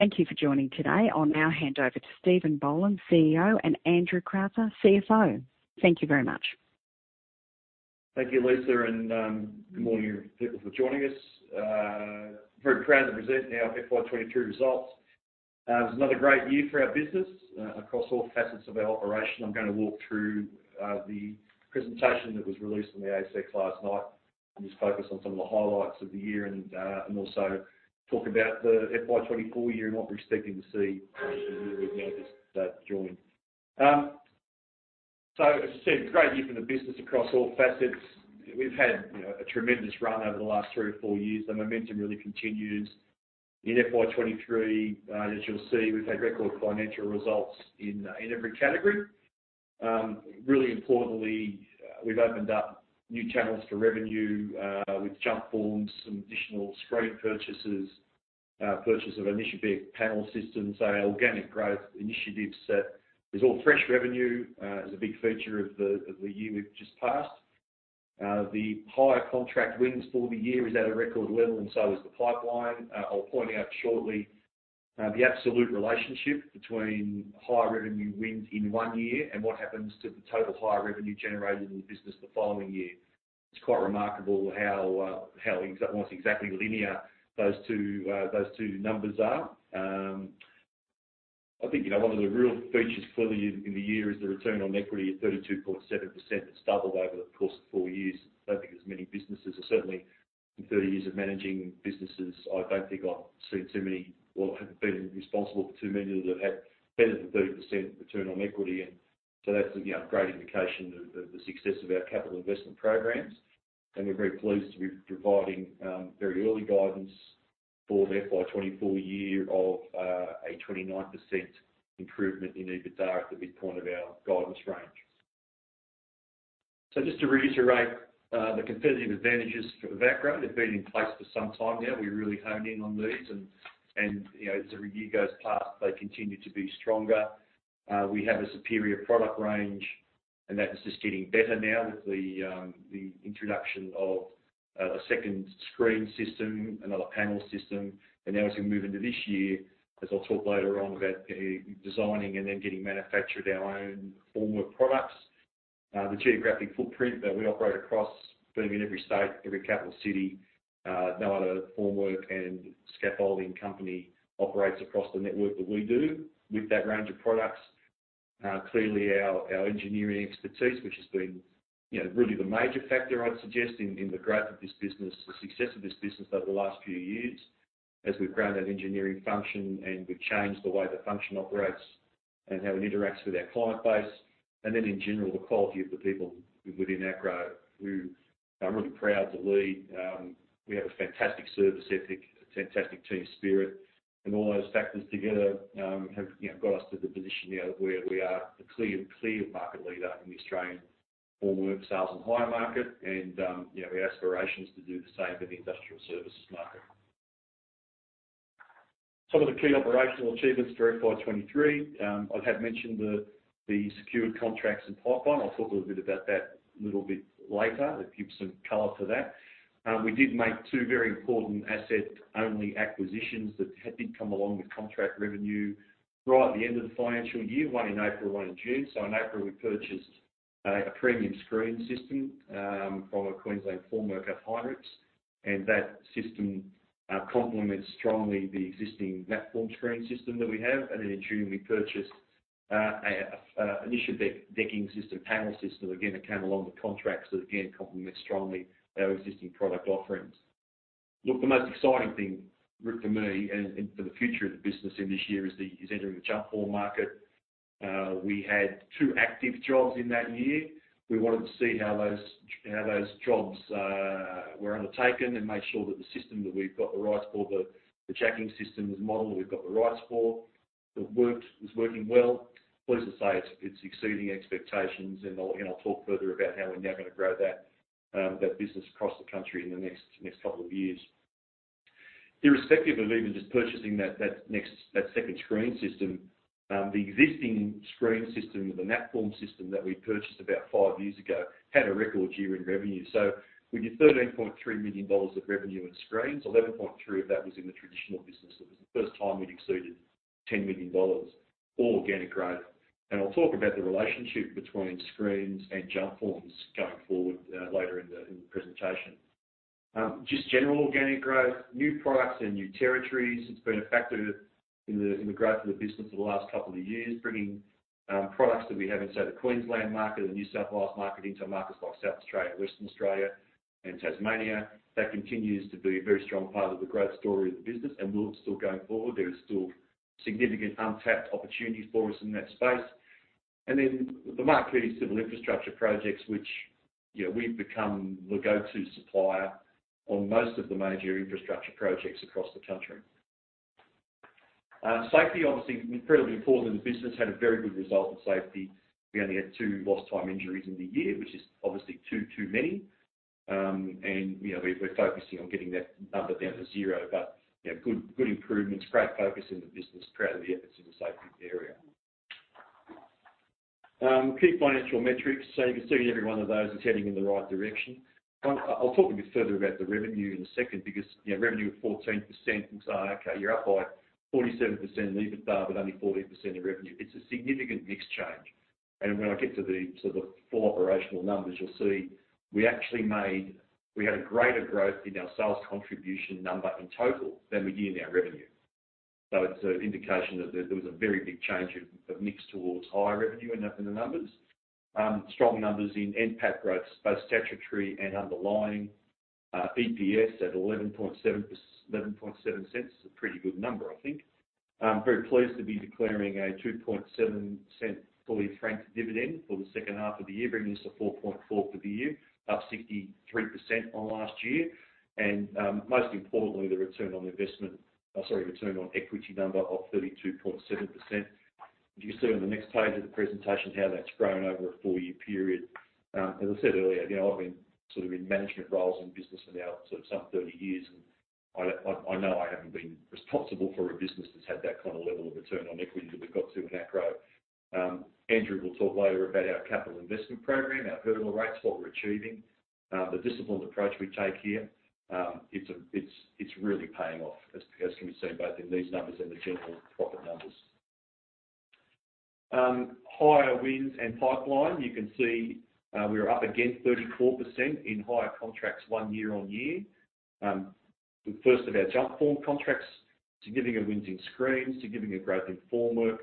Thank you for joining today. I'll now hand over to Steven Boland, CEO, and Andrew Crowther, CFO. Thank you very much. Thank you, Lisa, and good morning, people, for joining us. Very proud to present our FY23 results. It was another great year for our business, across all facets of our operation. I'm gonna walk through the presentation that was released on the ASX last night, and just focus on some of the highlights of the year and also talk about the FY24 year and what we're expecting to see as the year we've now just joined. So as I said, great year for the business across all facets. We've had, you know, a tremendous run over the last three or four years. The momentum really continues. In FY23, as you'll see, we've had record financial results in, in every category. Really importantly, we've opened up new channels for revenue with Jumpform, some additional screen purchases, purchase of initial big panel systems. Organic growth initiatives set is all fresh revenue is a big feature of the year we've just passed. The higher contract wins for the year is at a record level, and so is the pipeline. I'll point out shortly the absolute relationship between higher revenue wins in one year and what happens to the total higher revenue generated in the business the following year. It's quite remarkable how almost exactly linear those two numbers are. I think, you know, one of the real features for the year, in the year is the return on equity of 32.7%. It's doubled over the course of four years. I don't think there's many businesses, or certainly in 30 years of managing businesses, I don't think I've seen too many or have been responsible for too many that have had better than 30% return on equity. That's, you know, a great indication of, of the success of our capital investment programs. We're very pleased to be providing very early guidance for the FY24 year of a 29% improvement in EBITDA at the midpoint of our guidance range. Just to reiterate the competitive advantages for Acrow, they've been in place for some time now. We really honed in on these and, and, you know, as the year goes past, they continue to be stronger. We have a superior product range, and that is just getting better now with the introduction of a second screen system, another panel system. Now as we move into this year, as I'll talk later on about designing and then getting manufactured our own formwork products. The geographic footprint that we operate across, being in every state, every capital city, no other formwork and scaffolding company operates across the network that we do with that range of products. Clearly our, our engineering expertise, which has been, you know, really the major factor I'd suggest in, in the growth of this business, the success of this business over the last few years, as we've grown that engineering function and we've changed the way the function operates and how it interacts with our client base, and then in general, the quality of the people within Acrow, who I'm really proud to lead. We have a fantastic service ethic, a fantastic team spirit, and all those factors together, have, you know, got us to the position now where we are the clear, clear market leader in the Australian formwork, sales, and hire market, and, you know, our aspiration is to do the same in the industrial services market. Some of the key operational achievements for FY23, I have mentioned the, the secured contracts and pipeline. I'll talk a little bit about that a little bit later, and give some color to that. We did make two very important asset-only acquisitions that did come along with contract revenue right at the end of the financial year, one in April, one in June. In April, we purchased a premium screen system from a Queensland formwork at Heinrichs, and that system complements strongly the existing platform screen system that we have. In June, we purchased, a, Ischebeck, decking system, panel system, again, that came along with contracts that again, complement strongly our existing product offerings. The most exciting thing for, for me and, and for the future of the business in this year is the, is entering the Jumpform market. We had two active jobs in that year. We wanted to see how those, how those jobs, were undertaken and make sure that the system that we've got the rights for, the Jacking Systems model, we've got the rights for, it worked, it's working well. Pleased to say it's, it's exceeding expectations, and I'll, and I'll talk further about how we're now going to grow that business across the country in the next, next couple of years. Irrespective of even just purchasing that, that next, that second screen system, the existing screen system, the Natform system that we purchased about five years ago, had a record year in revenue. We did 13.3 million dollars of revenue in screens. 11.3 of that was in the traditional business. It was the first time we'd exceeded 10 million dollars, all organic growth. I'll talk about the relationship between Screens and Jump Forms going forward, later in the presentation. Just general organic growth, new products and new territories. It's been a factor in the, in the growth of the business for the last couple of years, bringing products that we have in, say, the Queensland market or the New South Wales market into markets like South Australia, Western Australia and Tasmania. That continues to be a very strong part of the growth story of the business, and will still going forward. There is still significant untapped opportunities for us in that space. Then the market is civil infrastructure projects, which, you know, we've become the go-to supplier on most of the major infrastructure projects across the country. Safety, obviously incredibly important, and the business had a very good result in safety. We only had 2 lost time injuries in the year, which is obviously 2 too many. You know, we're, we're focusing on getting that number down to 0, but, you know, good, good improvements, great focus in the business, proud of the efforts in the safety area. Key financial metrics. You can see every one of those is heading in the right direction. I, I'll talk a bit further about the revenue in a second, because, you know, revenue of 14%, you'll say, "Okay, you're up by 47% in EBITDA, but only 14% in revenue." It's a significant mix change. When I get to the, to the full operational numbers, you'll see we actually had a greater growth in our sales contribution number in total than we did in our revenue. It's an indication that there, there was a very big change of mix towards higher revenue in the numbers. Strong numbers in NPAT growth, both statutory and underlying, EPS at 0.117. It's a pretty good number, I think. I'm very pleased to be declaring a 0.027 fully franked dividend for the second half of the year, bringing us to 0.044 for the year, up 63% on last year. Most importantly, the return on investment, sorry, return on equity number of 32.7%. You can see on the next page of the presentation, how that's grown over a 4-year period. As I said earlier, you know, I've been sort of in management roles in business for now, sort of some 30 years, and I know I haven't been responsible for a business that's had that kind of level of return on equity that we've got to in Acrow. Andrew will talk later about our capital investment program, our vertical rates, what we're achieving, the disciplined approach we take here. It's really paying off, as can be seen both in these numbers and the general profit numbers. Higher wins and pipeline, you can see, we're up again, 34% in higher contracts year-over-year. The first of our Jumpform contracts, significant wins in screens, significant growth in formwork,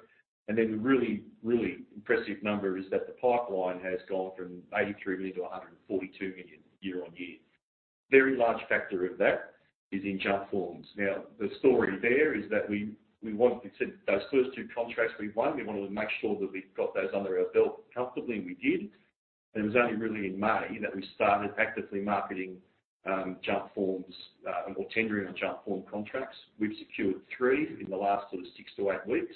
the really, really impressive number is that the pipeline has gone from 83 million to 142 million, year-on-year. Very large factor of that is in Jumpforms. The story there is that we, we said those first two contracts we won, we wanted to make sure that we've got those under our belt comfortably, and we did. It was only really in May that we started actively marketing Jumpforms or tendering on Jumpform contracts. We've secured three in the last sort of six to eight weeks,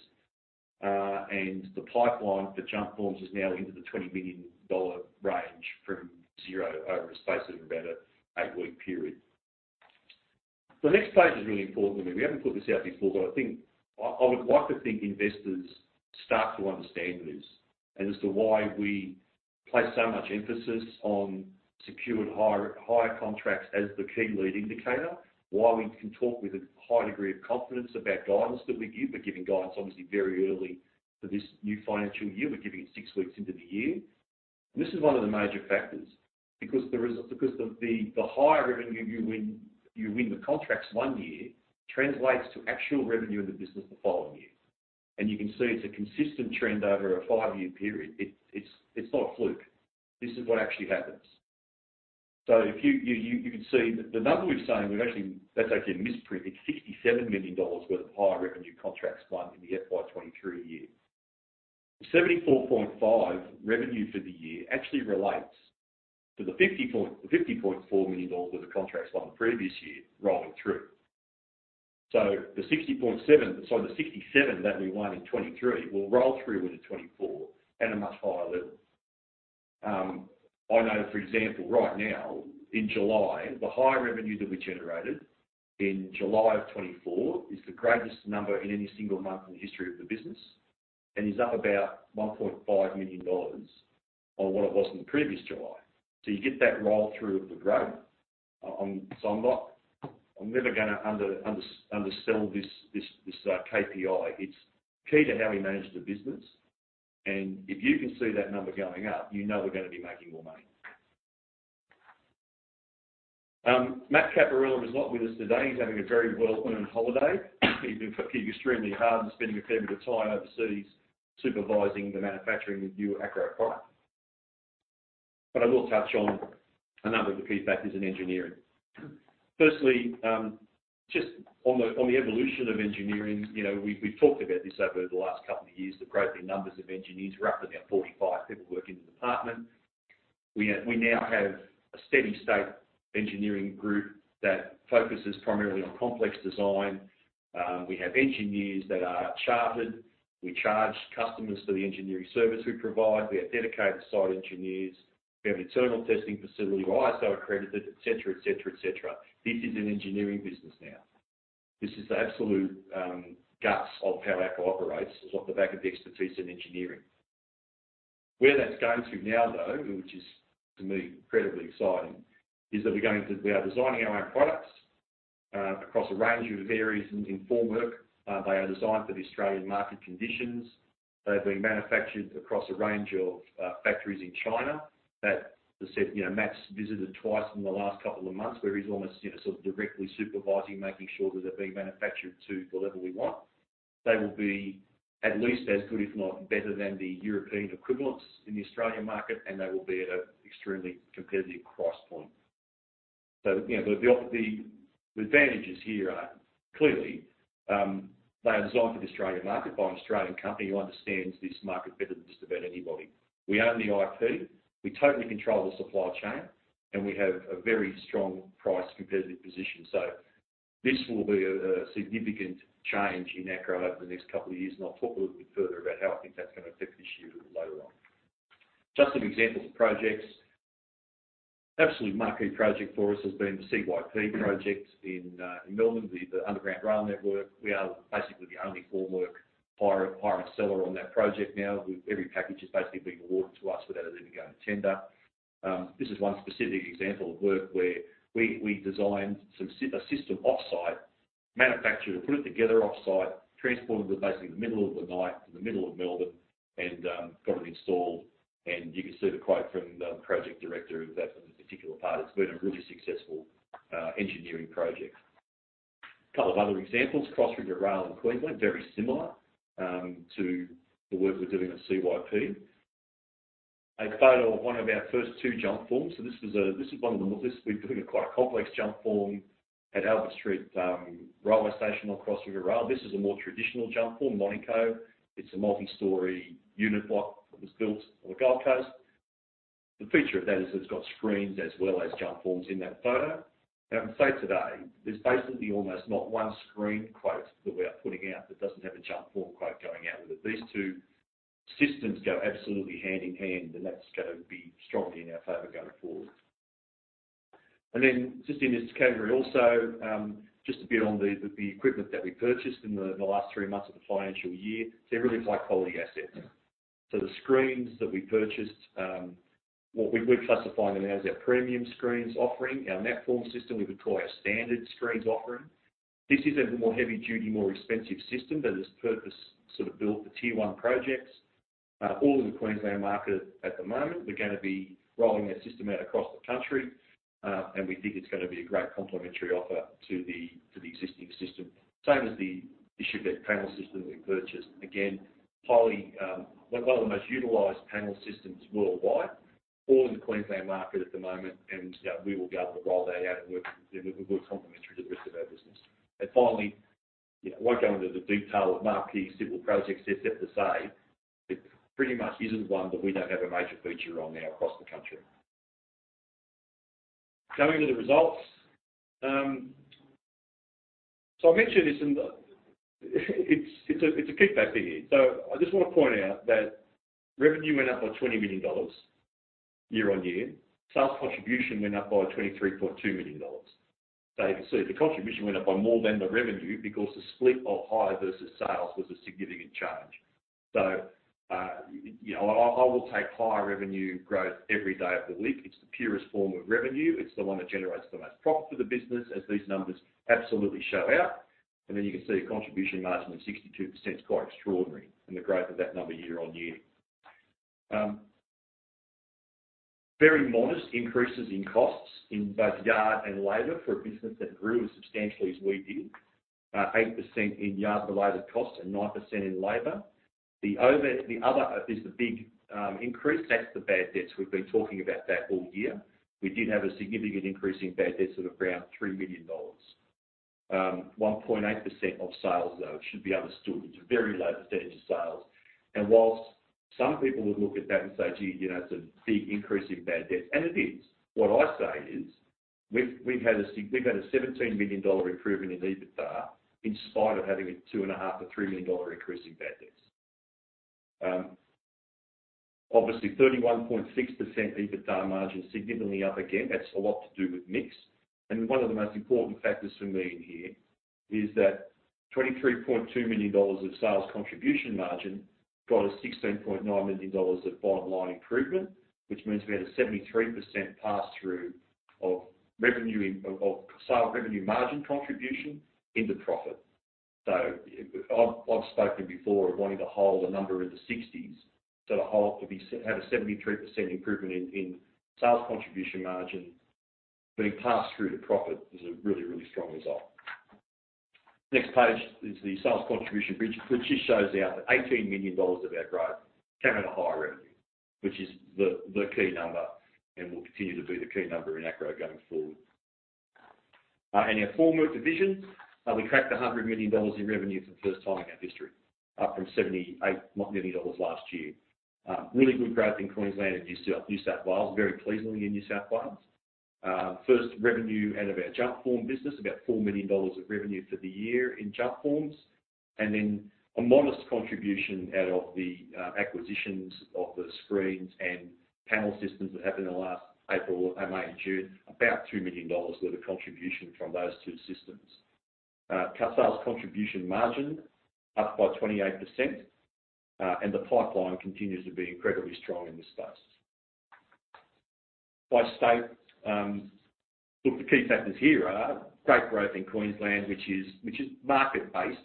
the pipeline for Jumpforms is now into the 20 million dollar range from 0 over the space of about an eight-week period. The next page is really important to me. We haven't put this out before, but I think, I would like to think investors start to understand this, and as to why we place so much emphasis on secured higher, higher contracts as the key lead indicator, why we can talk with a high degree of confidence about guidance that we give. We're giving guidance, obviously, very early for this new financial year. We're giving it six weeks into the year. This is one of the major factors, because the reason, the higher revenue you win, you win the contracts one year, translates to actual revenue in the business the following year. You can see it's a consistent trend over a five-year period. It, it's not a fluke. This is what actually happens. If you can see the number we've saying, we've actually. That's actually a misprint. It's AUD 67 million worth of higher revenue contracts won in the FY23 year. 74.5 million revenue for the year actually relates to the 50.4 million dollars worth of contracts won the previous year, rolling through. The 67 million that we won in 2023, will roll through into 2024 at a much higher level. I know, for example, right now, in July, the higher revenue that we generated in July of 2024 is the greatest number in any single month in the history of the business, and is up about 1.5 million dollars on what it was in the previous July. You get that roll through of the growth, on, I'm never gonna undersell this KPI. It's key to how we manage the business, and if you can see that number going up, you know we're going to be making more money. Matt Caporella is not with us today. He's having a very well-earned holiday. He's been working extremely hard and spending a fair bit of time overseas, supervising the manufacturing of new Acrow products. I will touch on a number of the key factors in engineering. Firstly, just on the, on the evolution of engineering, you know, we've, we've talked about this over the last couple of years, the growth in numbers of engineers. We're up to about 45 people working in the department. We now have a steady state engineering group that focuses primarily on complex design. We have engineers that are chartered. We charge customers for the engineering service we provide. We have dedicated site engineers. We have an internal testing facility, ISO accredited, et cetera, et cetera, et cetera. This is an engineering business now. This is the absolute guts of how Acrow operates, is off the back of the expertise in engineering. Where that's going to now, though, which is to me, incredibly exciting, is that we are designing our own products across a range of areas in, in formwork. They are designed for the Australian market conditions. They're being manufactured across a range of factories in China, that, as I said, you know, Matt's visited twice in the last couple of months, where he's almost, you know, sort of directly supervising, making sure that they're being manufactured to the level we want. They will be at least as good, if not better than the European equivalents in the Australian market, and they will be at a extremely competitive price point. You know, the, the, the advantages here are clearly, they are designed for the Australian market by an Australian company who understands this market better than just about anybody. We own the IP, we totally control the supply chain, and we have a very strong price competitive position. This will be a, a significant change in Acrow over the next couple of years, and I'll talk a little bit further about how I think that's gonna affect this year later on. Just some examples of. Absolutely, marquee project for us has been the CYP project in Melbourne, the, the underground rail network. We are basically the only formwork hire, hire and seller on that project now. Every package is basically being awarded to us without it even going to tender. This is one specific example of work where we, we designed a system off-site, manufactured and put it together off-site, transported it basically in the middle of the night to the middle of Melbourne, and got it installed, and you can see the quote from the project director of that particular part. It's been a really successful engineering project. A couple of other examples, Cross River Rail in Queensland, very similar to the work we're doing at CYP. A photo of one of our first two Jump Forms. This is a quite a complex Jumpform at Albert Street railway station on Cross River Rail. This is a more traditional Jumpform, Monaco. It's a multi-story unit block that was built on the Gold Coast. The feature of that is it's got screens as well as Jump Forms in that photo. I would say today, there's basically almost not one screen quote that we are putting out that doesn't have a Jump Form quote going out with it. These two systems go absolutely hand in hand, and that's going to be strongly in our favor going forward. Then, just in this category also, just a bit on the, the equipment that we purchased in the, the last three months of the financial year. They're really high-quality assets. The screens that we purchased, what we're classifying them as our premium screens offering, our Natform system, we would call our standard screens offering. This is a more heavy duty, more expensive system, but it's purpose sort of built for tier one projects, all in the Queensland market at the moment. We're gonna be rolling that system out across the country, and we think it's gonna be a great complementary offer to the existing system. Same as the is panel systems we purchased. Again, highly, one of the most utilized panel systems worldwide, all in the Queensland market at the moment, we will be able to roll that out, and we're complementary to the rest of our business. Finally, I won't go into the detail of marquee civil projects, except to say, it pretty much isn't one that we don't have a major feature on now across the country. Going to the results. It's a kickback thingy. I just want to point out that revenue went up by 20 million dollars year-over-year. Sales contribution went up by 23.2 million dollars. You can see the contribution went up by more than the revenue because the split of hire versus sales was a significant change. You know, I will take higher revenue growth every day of the week. It's the purest form of revenue. It's the one that generates the most profit for the business, as these numbers absolutely show out. You can see a contribution margin of 62% is quite extraordinary and the growth of that number year-over-year. Very modest increases in costs in both yard and labor for a business that grew as substantially as we did. 8% in yard-related costs and 9% in labor. The other is the big increase, that's the bad debts. We've been talking about that all year. We did have a significant increase in bad debts of around 3 million dollars. 1.8% of sales, though, should be understood. It's a very low percentage of sales. Whilst some people would look at that and say, "Gee, you know, it's a big increase in bad debts," and it is. What I say is, we've had a 17 million dollar improvement in EBITDA, in spite of having a 2.5 million-3 million dollar increase in bad debts. Obviously 31.6% EBITDA margin, significantly up again. That's a lot to do with mix. One of the most important factors for me in here is that 23.2 million dollars of sales contribution margin got a 16.9 million dollars of bottom line improvement, which means we had a 73% pass through of revenue of sale revenue margin contribution into profit. I've spoken before of wanting to hold a number in the 60s, to hold, to have a 73% improvement in sales contribution margin being passed through to profit is a really, really strong result. Next page is the sales contribution bridge, which just shows you how the 18 million dollars of our growth came in a higher revenue, which is the, the key number and will continue to be the key number in Acrow going forward. Our formwork division, we cracked 100 million dollars in revenue for the first time in our history, up from 78 million dollars last year. Really good growth in Queensland and New South, New South Wales, very pleasingly in New South Wales. First revenue out of our Jumpform business, about 4 million dollars of revenue for the year in Jumpforms, and then a modest contribution out of the acquisitions of the screens and panel systems that happened in the last April, May, and June, about 2 million dollars worth of contribution from those two systems. Our sales contribution margin up by 28%, the pipeline continues to be incredibly strong in this space. By state, the key factors here are great growth in Queensland, which is, which is market-based.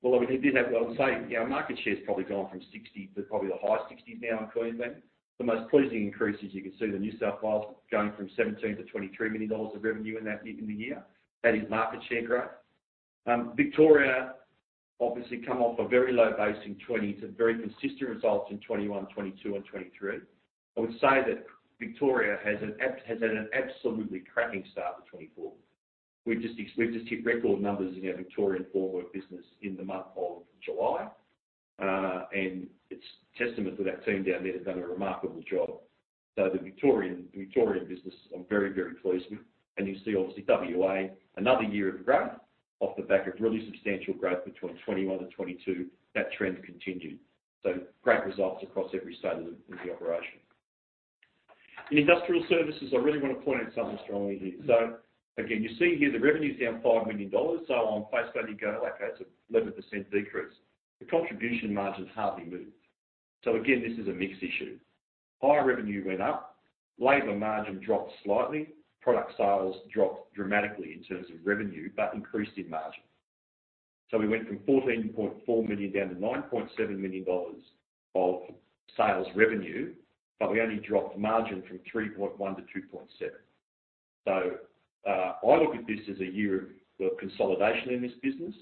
Well, we did have, well, I'd say our market share's probably gone from 60 to probably the high 60s now in Queensland. The most pleasing increase, as you can see, the New South Wales going from 17 million-23 million dollars of revenue in that, in the year. That is market share growth. Victoria, obviously come off a very low base in 2020 to very consistent results in 2021, 2022, and 2023. I would say that Victoria has had an absolutely cracking start to 2024. We've just, we've just hit record numbers in our Victorian formwork business in the month of July, and it's testament to that team down there have done a remarkable job. The Victorian, Victorian business, I'm very, very pleased with, and you see, obviously, WA, another year of growth. off the back of really substantial growth between 2021 and 2022, that trend continued. Great results across every state of the, in the operation. In industrial services, I really want to point out something strongly here. Again, you see here the revenue's down 5 million dollars, so on face value, you go, "Okay, it's an 11% decrease." The contribution margin hardly moved. Again, this is a mix issue. Higher revenue went up, labor margin dropped slightly, product sales dropped dramatically in terms of revenue, but increased in margin. We went from 14.4 million down to 9.7 million dollars of sales revenue, but we only dropped margin from 3.1 to 2.7. I look at this as a year of, well, consolidation in this business.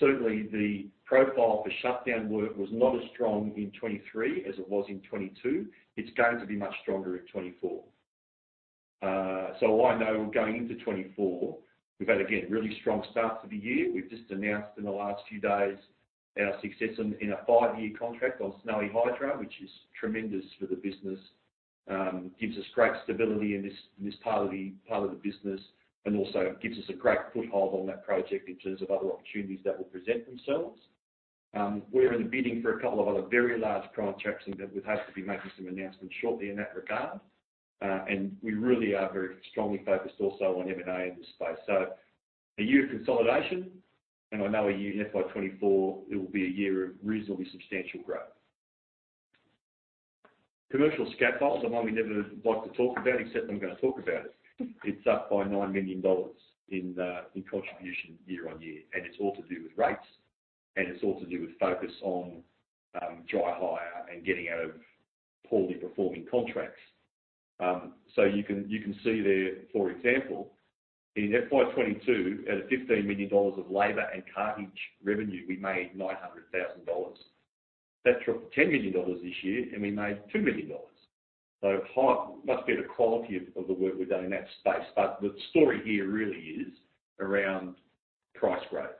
Certainly, the profile for shutdown work was not as strong in 2023 as it was in 2022. It's going to be much stronger in 2024. I know going into 2024, we've had, again, a really strong start to the year. We've just announced in the last few days our success in, in a 5-year contract on Snowy Hydro, which is tremendous for the business. Gives us great stability in this, in this part of the, part of the business, and also gives us a great foothold on that project in terms of other opportunities that will present themselves. We're in the bidding for a couple of other very large contracts, and we hope to be making some announcements shortly in that regard. We really are very strongly focused also on M&A in this space. A year of consolidation, and I know a year in FY24, it will be a year of reasonably substantial growth. Commercial scaffold, the one we never like to talk about, except I'm gonna talk about it. It's up by 9 million dollars in contribution year on year, and it's all to do with rates, and it's all to do with focus on dry hire and getting out of poorly performing contracts. You can, you can see there, for example, in FY22, out of 15 million dollars of labor and cartage revenue, we made 900,000 dollars. That dropped to 10 million dollars this year, and we made 2 million dollars. Must be the quality of the work we've done in that space, but the story here really is around price growth.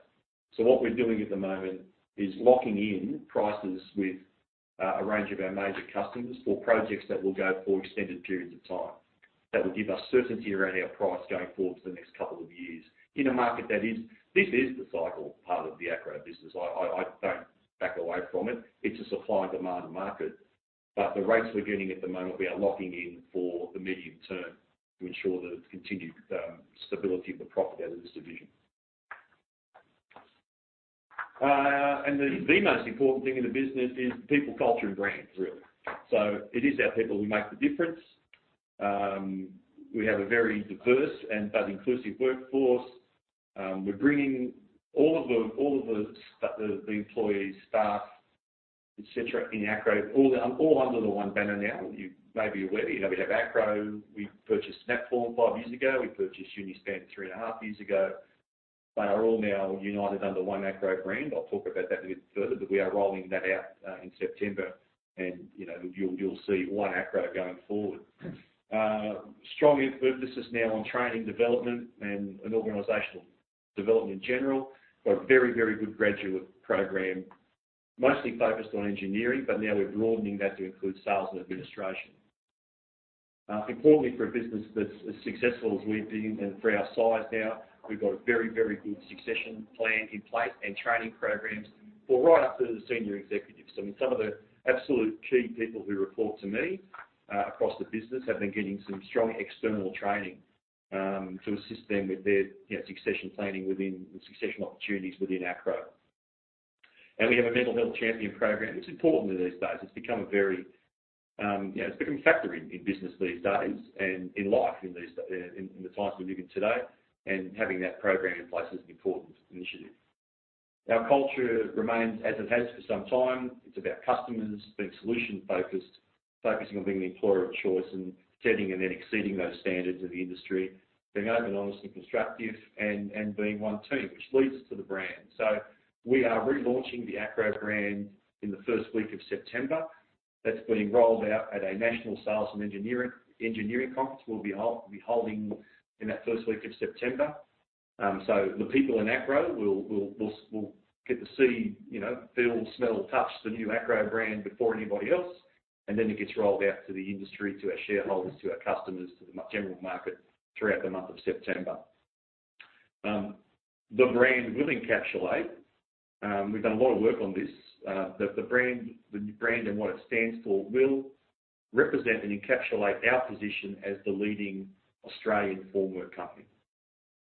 What we're doing at the moment is locking in prices with a range of our major customers for projects that will go for extended periods of time. That will give us certainty around our price going forward for the next 2 years. In a market that is, this is the cycle part of the Acrow business. I don't back away from it. It's a supply and demand market, the rates we're getting at the moment, we are locking in for the medium term to ensure the continued stability of the profit out of this division. The most important thing in the business is people, culture, and brand, really. It is our people who make the difference. We have a very diverse and, but inclusive workforce. We're bringing all of the employees, staff, et cetera, in Acrow, all under the one banner now. You may be aware, you know, we have Acrow. We purchased Natform 5 years ago. We purchased Unispan 3.5 years ago. They are all now united under one Acrow brand. I'll talk about that a bit further, but we are rolling that out in September, and, you know, you'll, you'll see one Acrow going forward. Strong emphasis now on training, development, and organizational development in general. Got a very, very good graduate program, mostly focused on engineering, but now we're broadening that to include sales and administration. Importantly, for a business that's as successful as we've been and for our size now, we've got a very, very good succession plan in place and training programs for right up to the senior executives. I mean, some of the absolute key people who report to me across the business have been getting some strong external training to assist them with their, you know, succession planning within, the succession opportunities within Acrow. We have a mental health champion program. It's important these days. It's become a very, you know, it's become a factor in, in business these days and in life, in these, in the times we're living today, and having that program in place is an important initiative. Our culture remains as it has for some time. It's about customers, being solution-focused, focusing on being the employer of choice, and setting and then exceeding those standards in the industry, being open, honest, and constructive and being one team, which leads us to the brand. We are relaunching the Acrow brand in the first week of September. That's being rolled out at a national sales and engineering conference we'll be holding in that first week of September. The people in Acrow will get to see, you know, feel, smell, touch the new Acrow brand before anybody else, and then it gets rolled out to the industry, to our shareholders, to our customers, to the general market throughout the month of September. The brand will encapsulate, we've done a lot of work on this, but the brand, the brand and what it stands for will represent and encapsulate our position as the leading Australian formwork company.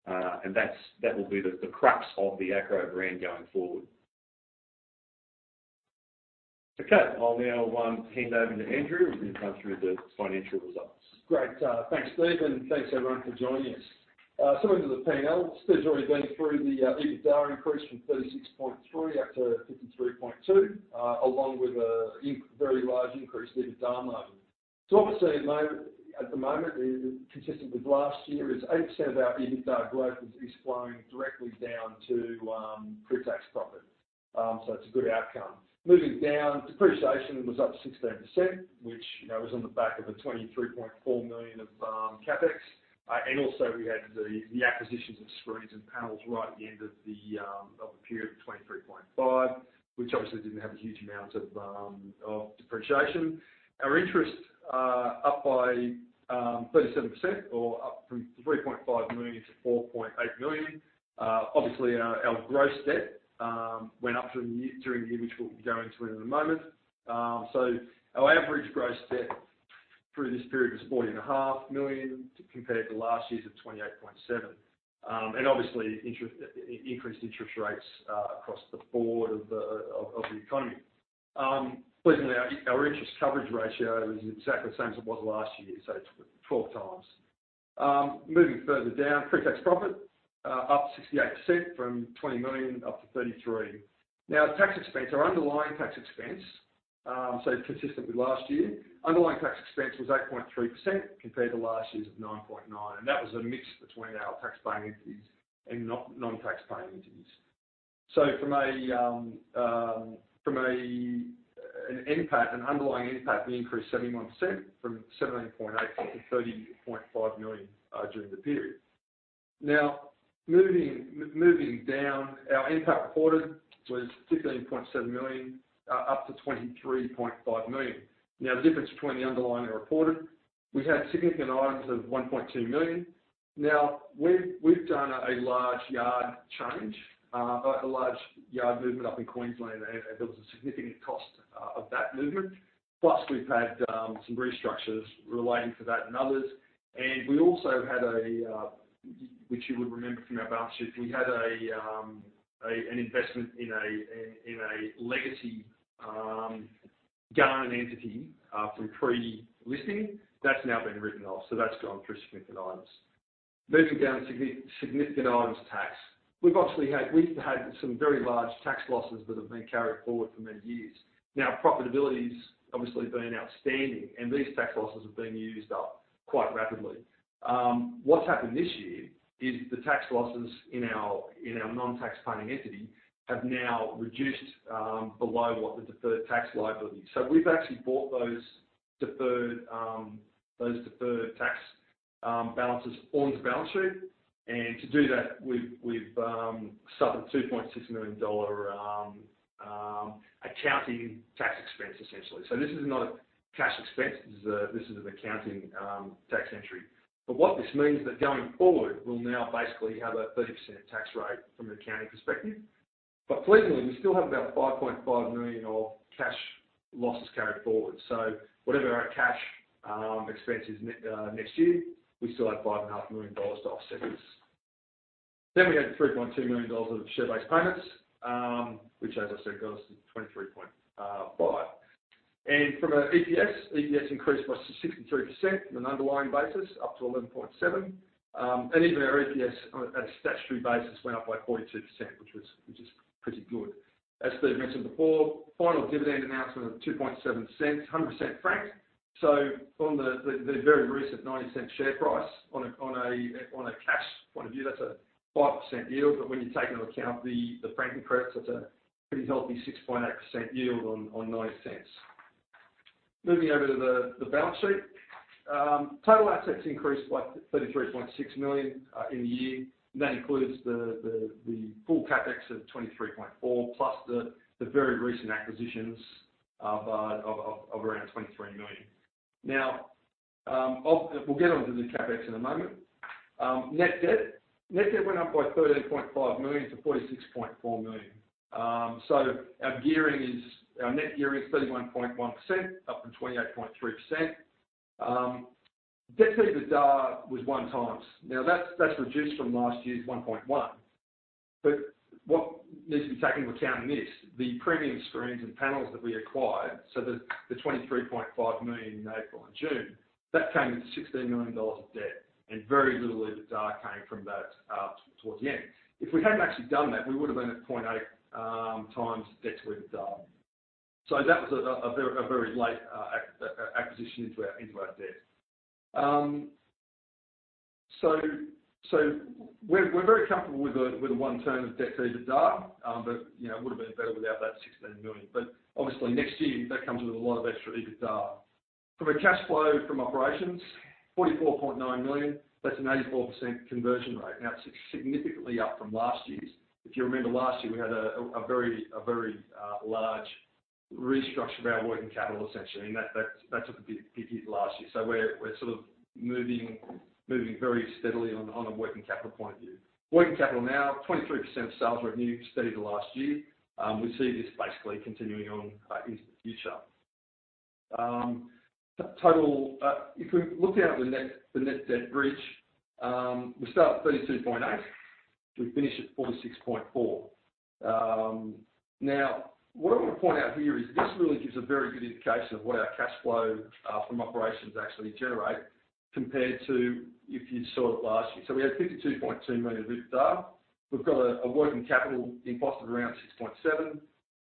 That will be the, the crux of the Acrow brand going forward. Okay, I'll now hand over to Andrew, who's gonna come through the financial results. Thanks, Steven Boland, and thanks, everyone, for joining us. Into the P&L. Steven Boland's already been through the EBITDA increase from 36.3 million up to 53.2 million, along with a very large increase in EBITDA margin. Obviously, at the moment, consistent with last year, is 8% of our EBITDA growth is flowing directly down to pre-tax profit. It's a good outcome. Moving down, depreciation was up 16%, which, you know, was on the back of 23.4 million of CapEx. Also, we had the acquisitions of Screens and Panels right at the end of the period of 23.5 million, which obviously didn't have a huge amount of depreciation. Our interest up by 37% or up from 3.5 million-4.8 million. Obviously, our, our gross debt went up during the year, which we'll go into in a moment. Our average gross debt through this period was 40.5 million, compared to last year's of 28.7 million. Obviously, interest increased interest rates across the board of the, of, of the economy. Pleasantly, our, our interest coverage ratio is exactly the same as it was last year, so it's 12 times. Moving further down, pre-tax profit up 68% from 20 million, up to 33 million. Tax expense, our underlying tax expense, consistent with last year, underlying tax expense was 8.3%, compared to last year's of 9.9%, and that was a mix between our tax-paying entities and non-taxpaying entities. From an NPAT, an underlying NPAT, we increased 71% from 17.8 million to 30.5 million during the period. Moving down, our NPAT quarter was 15.7 million up to 23.5 million. The difference between the underlying and reported, we had significant items of 1.2 million. We've done a large yard change, a large yard movement up in Queensland, and there was a significant cost of that movement. We've had some restructures relating to that and others, and we also had a, which you would remember from our balance sheet, we had an investment in a legacy Garnon entity from pre-listing. That's now been written off, so that's gone through significant items. Moving down to significant items tax. We've obviously had, we've had some very large tax losses that have been carried forward for many years. Profitability's obviously been outstanding, and these tax losses have been used up quite rapidly. What's happened this year is the tax losses in our non-taxpaying entity have now reduced below what the deferred tax liability is. We've actually brought those deferred, those deferred tax balances on to the balance sheet, and to do that, we've, we've suffered a 2.6 million dollar accounting tax expense, essentially. This is not a cash expense, this is a, this is an accounting tax entry. What this means that going forward, we'll now basically have a 30% tax rate from an accounting perspective. Pleasantly, we still have about 5.5 million of cash losses carried forward. Whatever our cash expense is next year, we still have 5.5 million dollars to offset this. We had 3.2 million dollars of share-based payments, which, as I said, got us to 23.5. From a EPS, EPS increased by 63% on an underlying basis, up to 0.117. Even our EPS on a statutory basis went up by 42%, which is pretty good. As Steven Boland mentioned before, final dividend announcement of 0.027, 100% franked. On the, the, the very recent 0.90 share price, on a, on a, on a cash point of view, that's a 5% yield, but when you take into account the, the franking credits, that's a pretty healthy 6.8% yield on, on 0.09. Moving over to the, the balance sheet. Total assets increased by 33.6 million in the year. That includes the full CapEx of 23.4 million, plus the very recent acquisitions of around 23 million. Now, we'll get onto the CapEx in a moment. Net debt. Net debt went up by 13.5 million to 46.4 million. So our gearing is, our net gearing is 31.1%, up from 28.3%. Debt to EBITDA was 1x. Now, that's, that's reduced from last year's 1.1. What needs to be taken into account in this, the premium screens and panels that we acquired, so the, the 23.5 million in April and June, that came with 16 million dollars of debt, and very little EBITDA came from that towards the end. If we hadn't actually done that, we would have been at 0.8 times debt to EBITDA. That was a, a very, a very late acquisition into our, into our debt. So we're very comfortable with the 1 term of debt to EBITDA, but, you know, it would have been better without that 16 million. Obviously next year, that comes with a lot of extra EBITDA. From a cash flow from operations, 44.9 million, that's an 84% conversion rate. It's significantly up from last year's. If you remember last year, we had a very large restructure of our working capital, essentially, and that took a big hit last year. We're moving very steadily on a working capital point of view. Working capital now, 23% of sales revenue, steady to last year. We see this basically continuing on into the future. If we look out the net, the net debt bridge, we start at 32.8, we finish at 46.4. Now, what I want to point out here is this really gives a very good indication of what our cash flow from operations actually generate, compared to if you saw it last year. We had 52.2 million EBITDA. We've got a working capital imposed of around 6.7.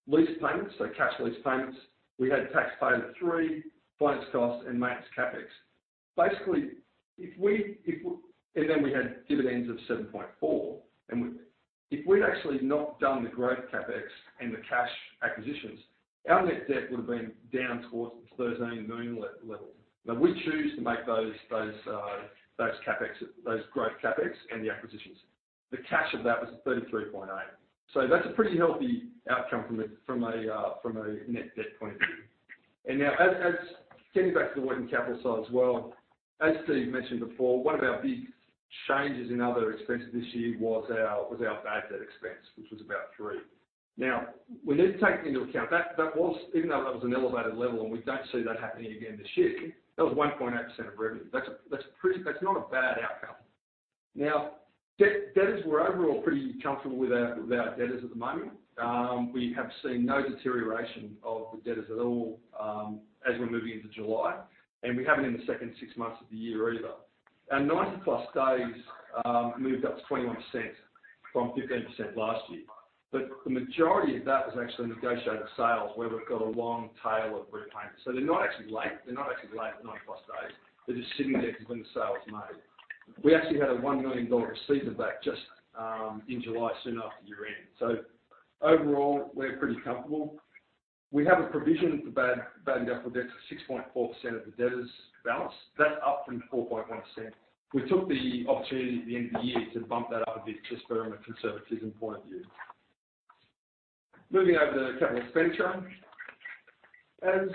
Lease payments, so cash lease payments, we had tax paid of 3, finance costs and maintenance CapEx. Basically, then we had dividends of 7.4, and we, if we'd actually not done the growth CapEx and the cash acquisitions, our net debt would have been down towards the 13 million level. Now, we choose to make those, those, those CapEx, those growth CapEx and the acquisitions. The cash of that was 33.8. That's a pretty healthy outcome from a net debt point of view. Now, as getting back to the working capital side as well. As Steve mentioned before, one of our big changes in other expenses this year was our bad debt expense, which was about 3. Now, we need to take into account that, that was, even though that was an elevated level and we don't see that happening again this year, that was 1.8% of revenue. That's, that's not a bad outcome. Now, debtors, we're overall pretty comfortable with our, with our debtors at the moment. We have seen no deterioration of the debtors at all, as we're moving into July, we haven't in the second six months of the year either. 90-plus days moved up to 21% from 15% last year. The majority of that was actually negotiated sales, where we've got a long tail of repayments. They're not actually late, they're not actually late, 90-plus days. They're just sitting there because when the sale is made. We actually had an 1 million dollar receipt of that just in July, soon after year-end. Overall, we're pretty comfortable. We have a provision for bad, bad debt for 6.4% of the debtors' balance. That's up from 4.1%. We took the opportunity at the end of the year to bump that up a bit, just from a conservatism point of view. Moving over to capital expenditure. As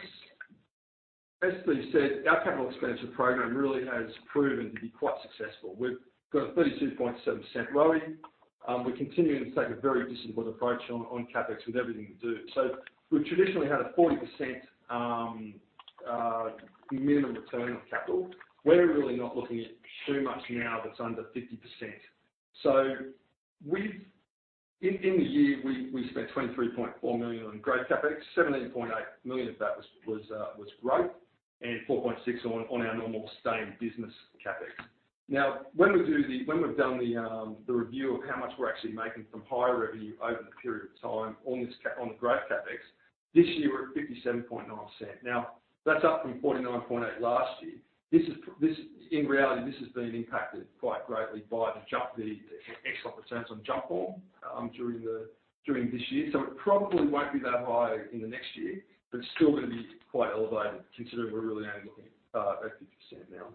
Steven Boland said, our capital expenditure program really has proven to be quite successful. We've got a 32.7% ROE. We're continuing to take a very disciplined approach on CapEx with everything we do. We've traditionally had a 40% minimum return on capital. We're really not looking at too much now that's under 50%. In the year, we spent 23.4 million on growth CapEx, 17.8 million of that was growth, and 4.6 million on our normal staying business CapEx. When we do the, when we've done the review of how much we're actually making from higher revenue over the period of time on this Cap, on the growth CapEx, this year, we're at 57.9%. That's up from 49.8 last year. This is this, in reality, this has been impacted quite greatly by the jump, the excellent returns on Jumpform, during the, during this year. It probably won't be that high in the next year, but it's still gonna be quite elevated, considering we're really only looking at 50% now.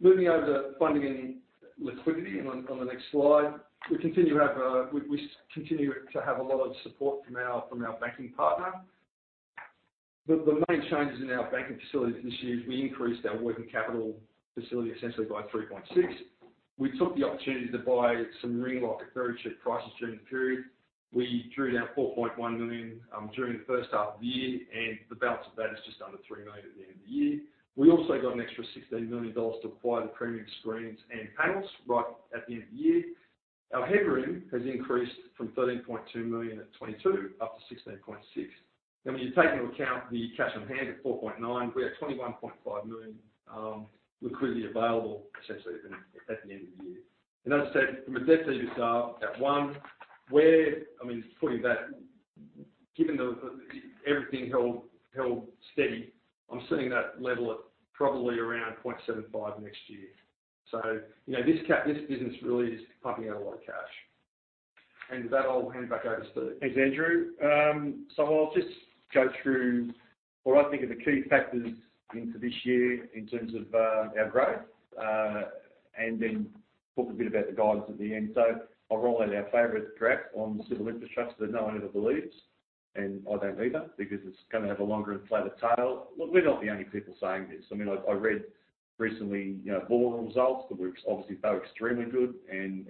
Moving over to funding and liquidity, on the next slide. We continue to have, we continue to have a lot of support from our, from our banking partner. The, the main changes in our banking facilities this year is we increased our working capital facility, essentially, by 3.6. We took the opportunity to buy some Ring Lock at very cheap prices during the period. We drew down 4.1 million during the first half of the year, and the balance of that is just under 3 million at the end of the year. We also got an extra 16 million dollars to acquire the premium screens and panels right at the end of the year. Our headroom has increased from 13.2 million at 2022, up to 16.6 million. When you take into account the cash on hand at 4.9 million, we have 21.5 million liquidity available, essentially, at the end of the year. As I said, from a debt to EBITDA, at 1, we're, I mean, putting that, given the, the, everything held, held steady, I'm sitting that level at probably around 0.75 next year. You know, this business really is pumping out a lot of cash. With that, I'll hand it back over to Steve. Thanks, Andrew. I'll just go through what I think are the key factors into this year in terms of our growth, and then talk a bit about the guidance at the end. I'll roll out our favorite graph on civil infrastructure that no one ever believes, and I don't either, because it's gonna have a longer and flatter tail. Well, we're not the only people saying this. I mean, I, I read recently, you know, Boral results, that were obviously extremely good, and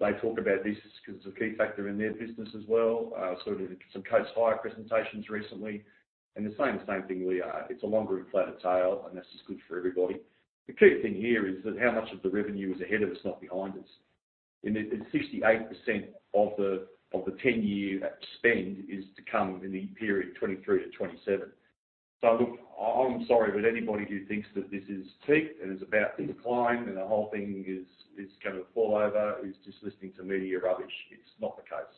they talk about this because it's a key factor in their business as well. Did some Post-FY presentations recently, and they're saying the same thing we are. It's a longer and flatter tail, and that's just good for everybody. The key thing here is that how much of the revenue is ahead of us, not behind us. 68% of the 10-year spend is to come within the period 2023-2027. I'm sorry, but anybody who thinks that this is peaked and is about to decline, and the whole thing is gonna fall over, is just listening to media rubbish. It's not the case.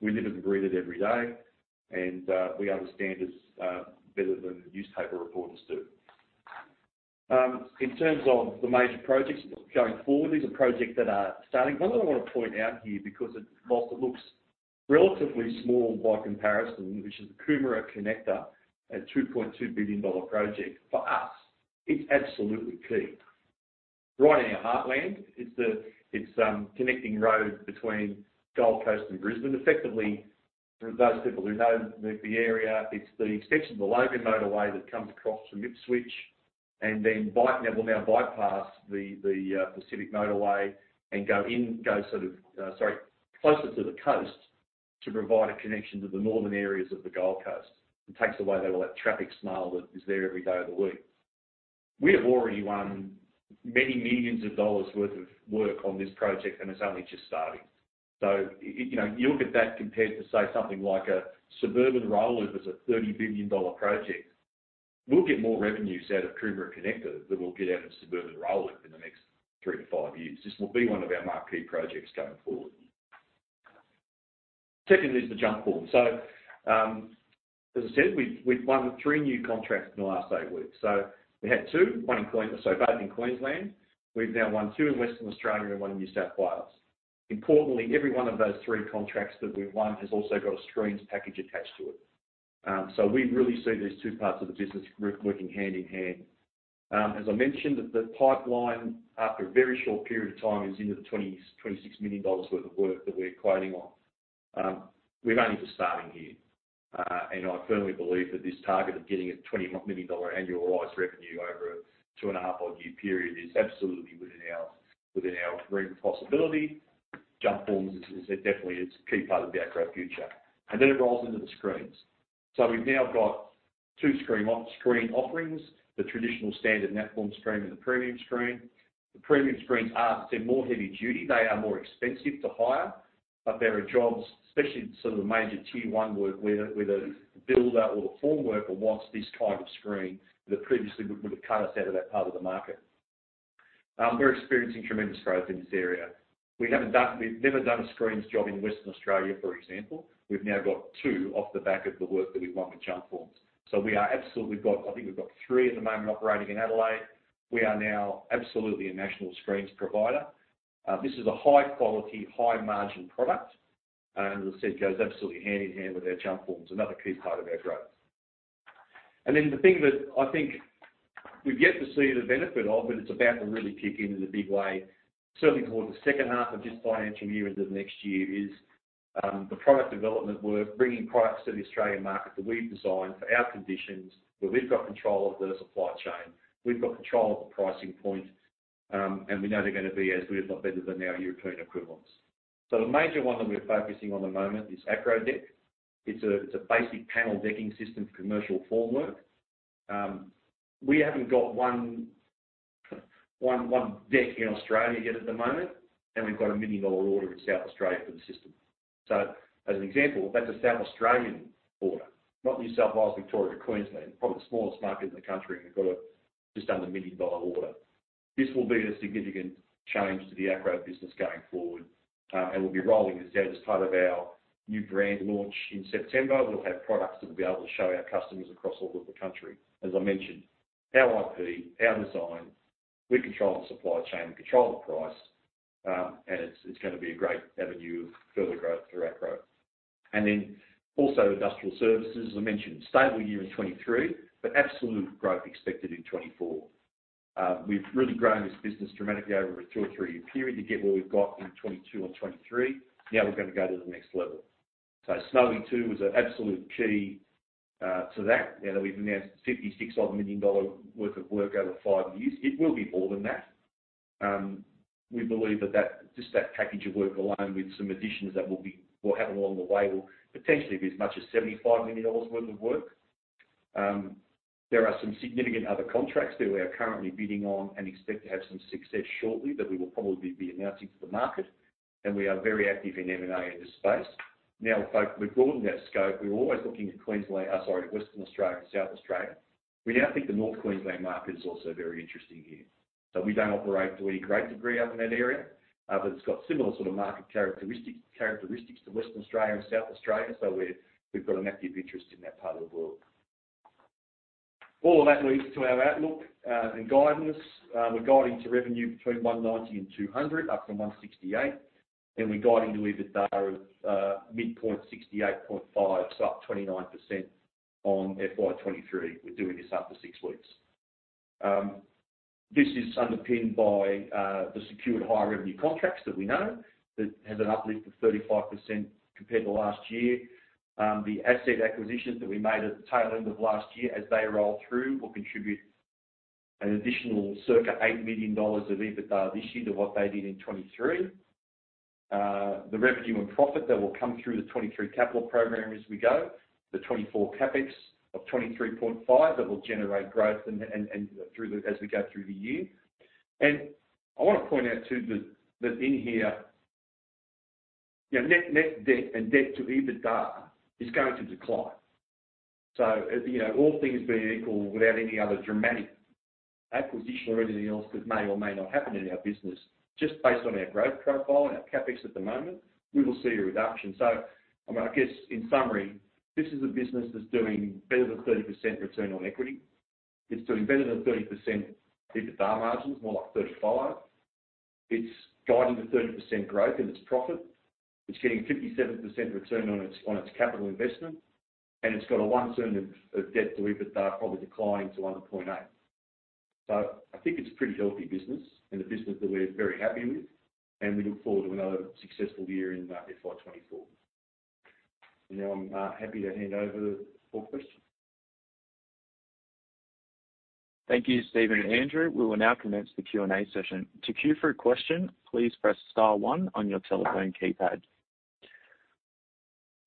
We live it and breathe it every day, and we understand this better than the newspaper reporters do. In terms of the major projects going forward, these are projects that are starting. One that I want to point out here, because it, whilst it looks relatively small by comparison, which is the Coomera Connector, an 2.2 billion dollar project. For us, it's absolutely key. Right in our heartland, it's the, it's connecting road between Gold Coast and Brisbane. Effectively, for those people who know the, the area, it's the extension of the Logan motorway that comes across from Ipswich, and then it will now bypass the, the Pacific motorway and go in, go sort of, sorry, closer to the coast to provide a connection to the northern areas of the Gold Coast. It takes away all that traffic snarl that is there every day of the week. We have already won many millions of AUD worth of work on this project, and it's only just starting. You know, you look at that compared to, say, something like a Suburban Rail Loop, which is an 30 billion dollar project. We'll get more revenues out of Coomera Connector than we'll get out of Suburban Rail Loop in the next 3-5 years. This will be one of our marquee projects going forward. Secondly, is the Jumpform. As I said, we've, we've won 3 new contracts in the last 8 weeks. We had 2, both in Queensland. We've now won 2 in Western Australia and 1 in New South Wales. Importantly, every one of those 3 contracts that we've won has also got a screens package attached to it. We really see these 2 parts of the business group working hand in hand. As I mentioned, the pipeline, after a very short period of time, is into the 26 million dollars worth of work that we're quoting on. We're only just starting here. I firmly believe that this target of getting a 20 million dollar annualized revenue over a two and a half odd year period is absolutely within our, within our realm of possibility. Jumpform is definitely, it's a key part of our growth future. Then it rolls into the screens. We've now got two off-screen offerings, the traditional standard platform screen and the premium screen. The premium screens are, they're more heavy duty. They are more expensive to hire, there are jobs, especially in sort of the major tier one, where the builder or the form worker wants this kind of screen, that previously would have cut us out of that part of the market. We're experiencing tremendous growth in this area. We've never done a screens job in Western Australia, for example. We've now got two off the back of the work that we've won with Jumpform. We are absolutely I think we've got three at the moment operating in Adelaide. We are now absolutely a national screens provider. This is a high quality, high margin product, and as I said, goes absolutely hand in hand with our Jump Forms, another key part of our growth. Then the thing that I think we've yet to see the benefit of, but it's about to really kick in, in a big way, certainly towards the second half of this financial year into the next year, is the product development work, bringing products to the Australian market that we've designed for our conditions, where we've got control of the supply chain, we've got control of the pricing point, and we know they're gonna be as good, if not better, than our European equivalents. So the major one that we're focusing on the moment is Acrow Deck. It's a, it's a basic panel decking system for commercial formwork. We haven't got one, one, one deck in Australia yet at the moment. We've got an 1 million dollar order in South Australia for the system. As an example, that's a South Australian order, not New South Wales, Victoria, Queensland, probably the smallest market in the country. We've got a just under an 1 million dollar order. This will be a significant change to the Acrow business going forward. We'll be rolling this out as part of our new brand launch in September. We'll have products that we'll be able to show our customers across all of the country. As I mentioned, our IP, our design, we control the supply chain, we control the price. It's gonna be a great avenue of further growth for Acrow. Also Industrial Services, as I mentioned, stable year in 2023, but absolute growth expected in 2024. We've really grown this business dramatically over a 2 or 3-year period to get where we've got in 2022 and 2023. Now we're going to go to the next level. Snowy 2.0 was an absolute key to that. Now that we've announced 56 odd million worth of work over 5 years, it will be more than that. We believe that, that, just that package of work alone with some additions we'll have along the way, will potentially be as much as 75 million dollars worth of work. There are some significant other contracts that we are currently bidding on and expect to have some success shortly, that we will probably be announcing to the market, and we are very active in M&A in this space. Folk, we've broadened our scope. We're always looking at Queensland, sorry, Western Australia and South Australia. We now think the North Queensland market is also very interesting here. We don't operate to any great degree up in that area, but it's got similar sort of market characteristic, characteristics to Western Australia and South Australia, we've got an active interest in that part of the world. All of that leads to our outlook and guidance. We're guiding to revenue between 190 million and 200 million, up from 168 million, and we're guiding to EBITDA of mid-point 68.5 million, so up 29% on FY23. We're doing this after 6 weeks. This is underpinned by the secured higher revenue contracts that we know that has an uplift of 35% compared to last year. The asset acquisitions that we made at the tail end of last year, as they roll through, will contribute an additional circa 8 million dollars of EBITDA this year to what they did in 2023. The revenue and profit that will come through the 2023 capital program as we go, the 2024 CapEx of 23.5 million, that will generate growth as we go through the year. I want to point out, too, that, that in here, net, net debt and debt to EBITDA is going to decline. All things being equal, without any other dramatic acquisition or anything else that may or may not happen in our business, just based on our growth profile and our CapEx at the moment, we will see a reduction. I mean, I guess in summary, this is a business that's doing better than 30% return on equity. It's doing better than 30% EBITDA margins, more like 35%. It's guiding to 30% growth in its profit. It's getting 57% return on its, on its capital investment, and it's got a 1 turn of, of debt to EBITDA, probably declining to 1.8. I think it's a pretty healthy business and a business that we're very happy with, and we look forward to another successful year in FY24. Now I'm happy to hand over to focus. Thank you, Steven and Andrew. We will now commence the Q&A session. To queue for a question, please press star one on your telephone keypad.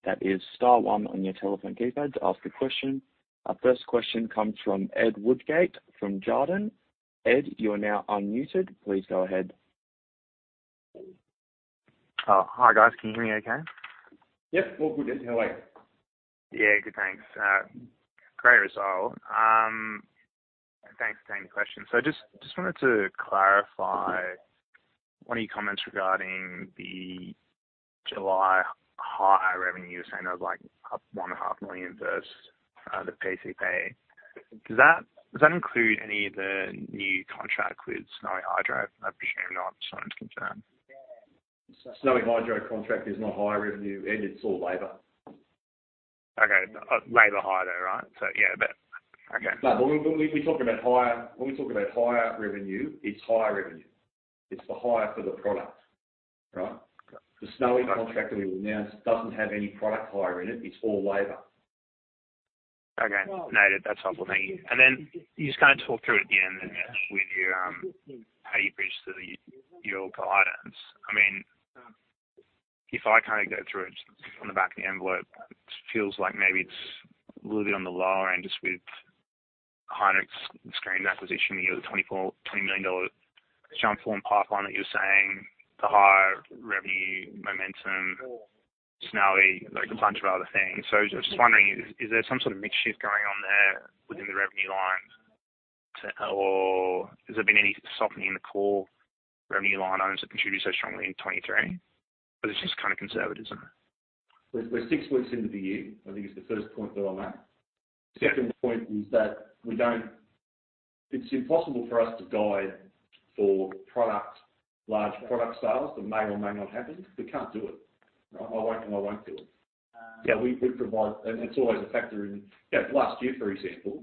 That is star one on your telephone keypad to ask a question. Our first question comes from Ed Woodgate, from Jarden. Ed, you are now unmuted. Please go ahead. Hi, guys. Can you hear me okay? Yes, all good. How are you? Yeah, good, thanks. Great result. Thanks for taking the question. Just, just wanted to clarify one of your comments regarding the July hire revenue, saying it was, like, up 1.5 million versus the PCP. Does that, does that include any of the new contract with Snowy Hydro? I presume not, as far as I'm concerned. Snowy Hydro contract is not hire revenue, Ed, it's all labor.... labor hire though, right? Yeah, but, okay. No, when we, we talk about hire, when we talk about hire revenue, it's hire revenue. It's the hire for the product, right? Okay. The Snowy contract that we announced doesn't have any product hire in it, it's all labor. Okay, noted, that's helpful. Thank you. Then, can you just kind of talk through it again with your, how you reached to the, your guidance? I mean, if I kind of go through it on the back of the envelope, it feels like maybe it's a little bit on the lower end, just with the heinrich screens acquisition, you have a AUD 24 million, AUD 20 million Jumpform pipeline that you're saying, the higher revenue momentum, Snowy, like a bunch of other things. Just wondering, is there some sort of mix shift going on there within the revenue line? To, or has there been any softening in the core revenue line items that contribute so strongly in 2023? It's just kind of conservatism? We're, we're six weeks into the year, I think is the first point that I'll make. Second point is that we don't. It's impossible for us to guide for product, large product sales that may or may not happen. We can't do it. I won't, and I won't do it. Yeah, we, we provide... It's always a factor in, yeah, last year, for example,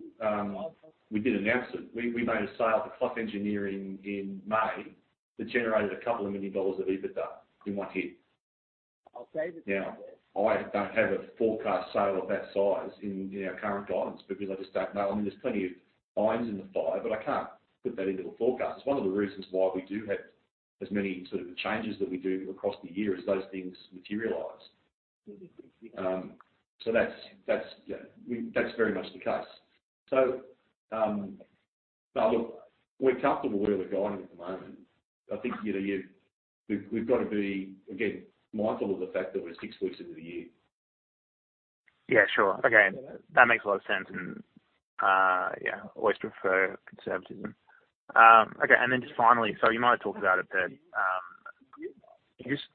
we did announce it. We, we made a sale for Clough Limited in May, that generated 2 million dollars of EBITDA in one hit. Now, I don't have a forecast sale of that size in, in our current guidance, because I just don't know. I mean, there's plenty of lines in the fire, but I can't put that into a forecast. It's one of the reasons why we do have as many sort of changes that we do across the year as those things materialize. That's, that's, yeah, we, that's very much the case. Now, look, we're comfortable where we're going at the moment. I think, you know, you, we've, we've got to be, again, mindful of the fact that we're 6 weeks into the year. Yeah, sure. Okay, that makes a lot of sense and, yeah, always prefer conservatism. Okay, then just finally, so you might have talked about it there, can you just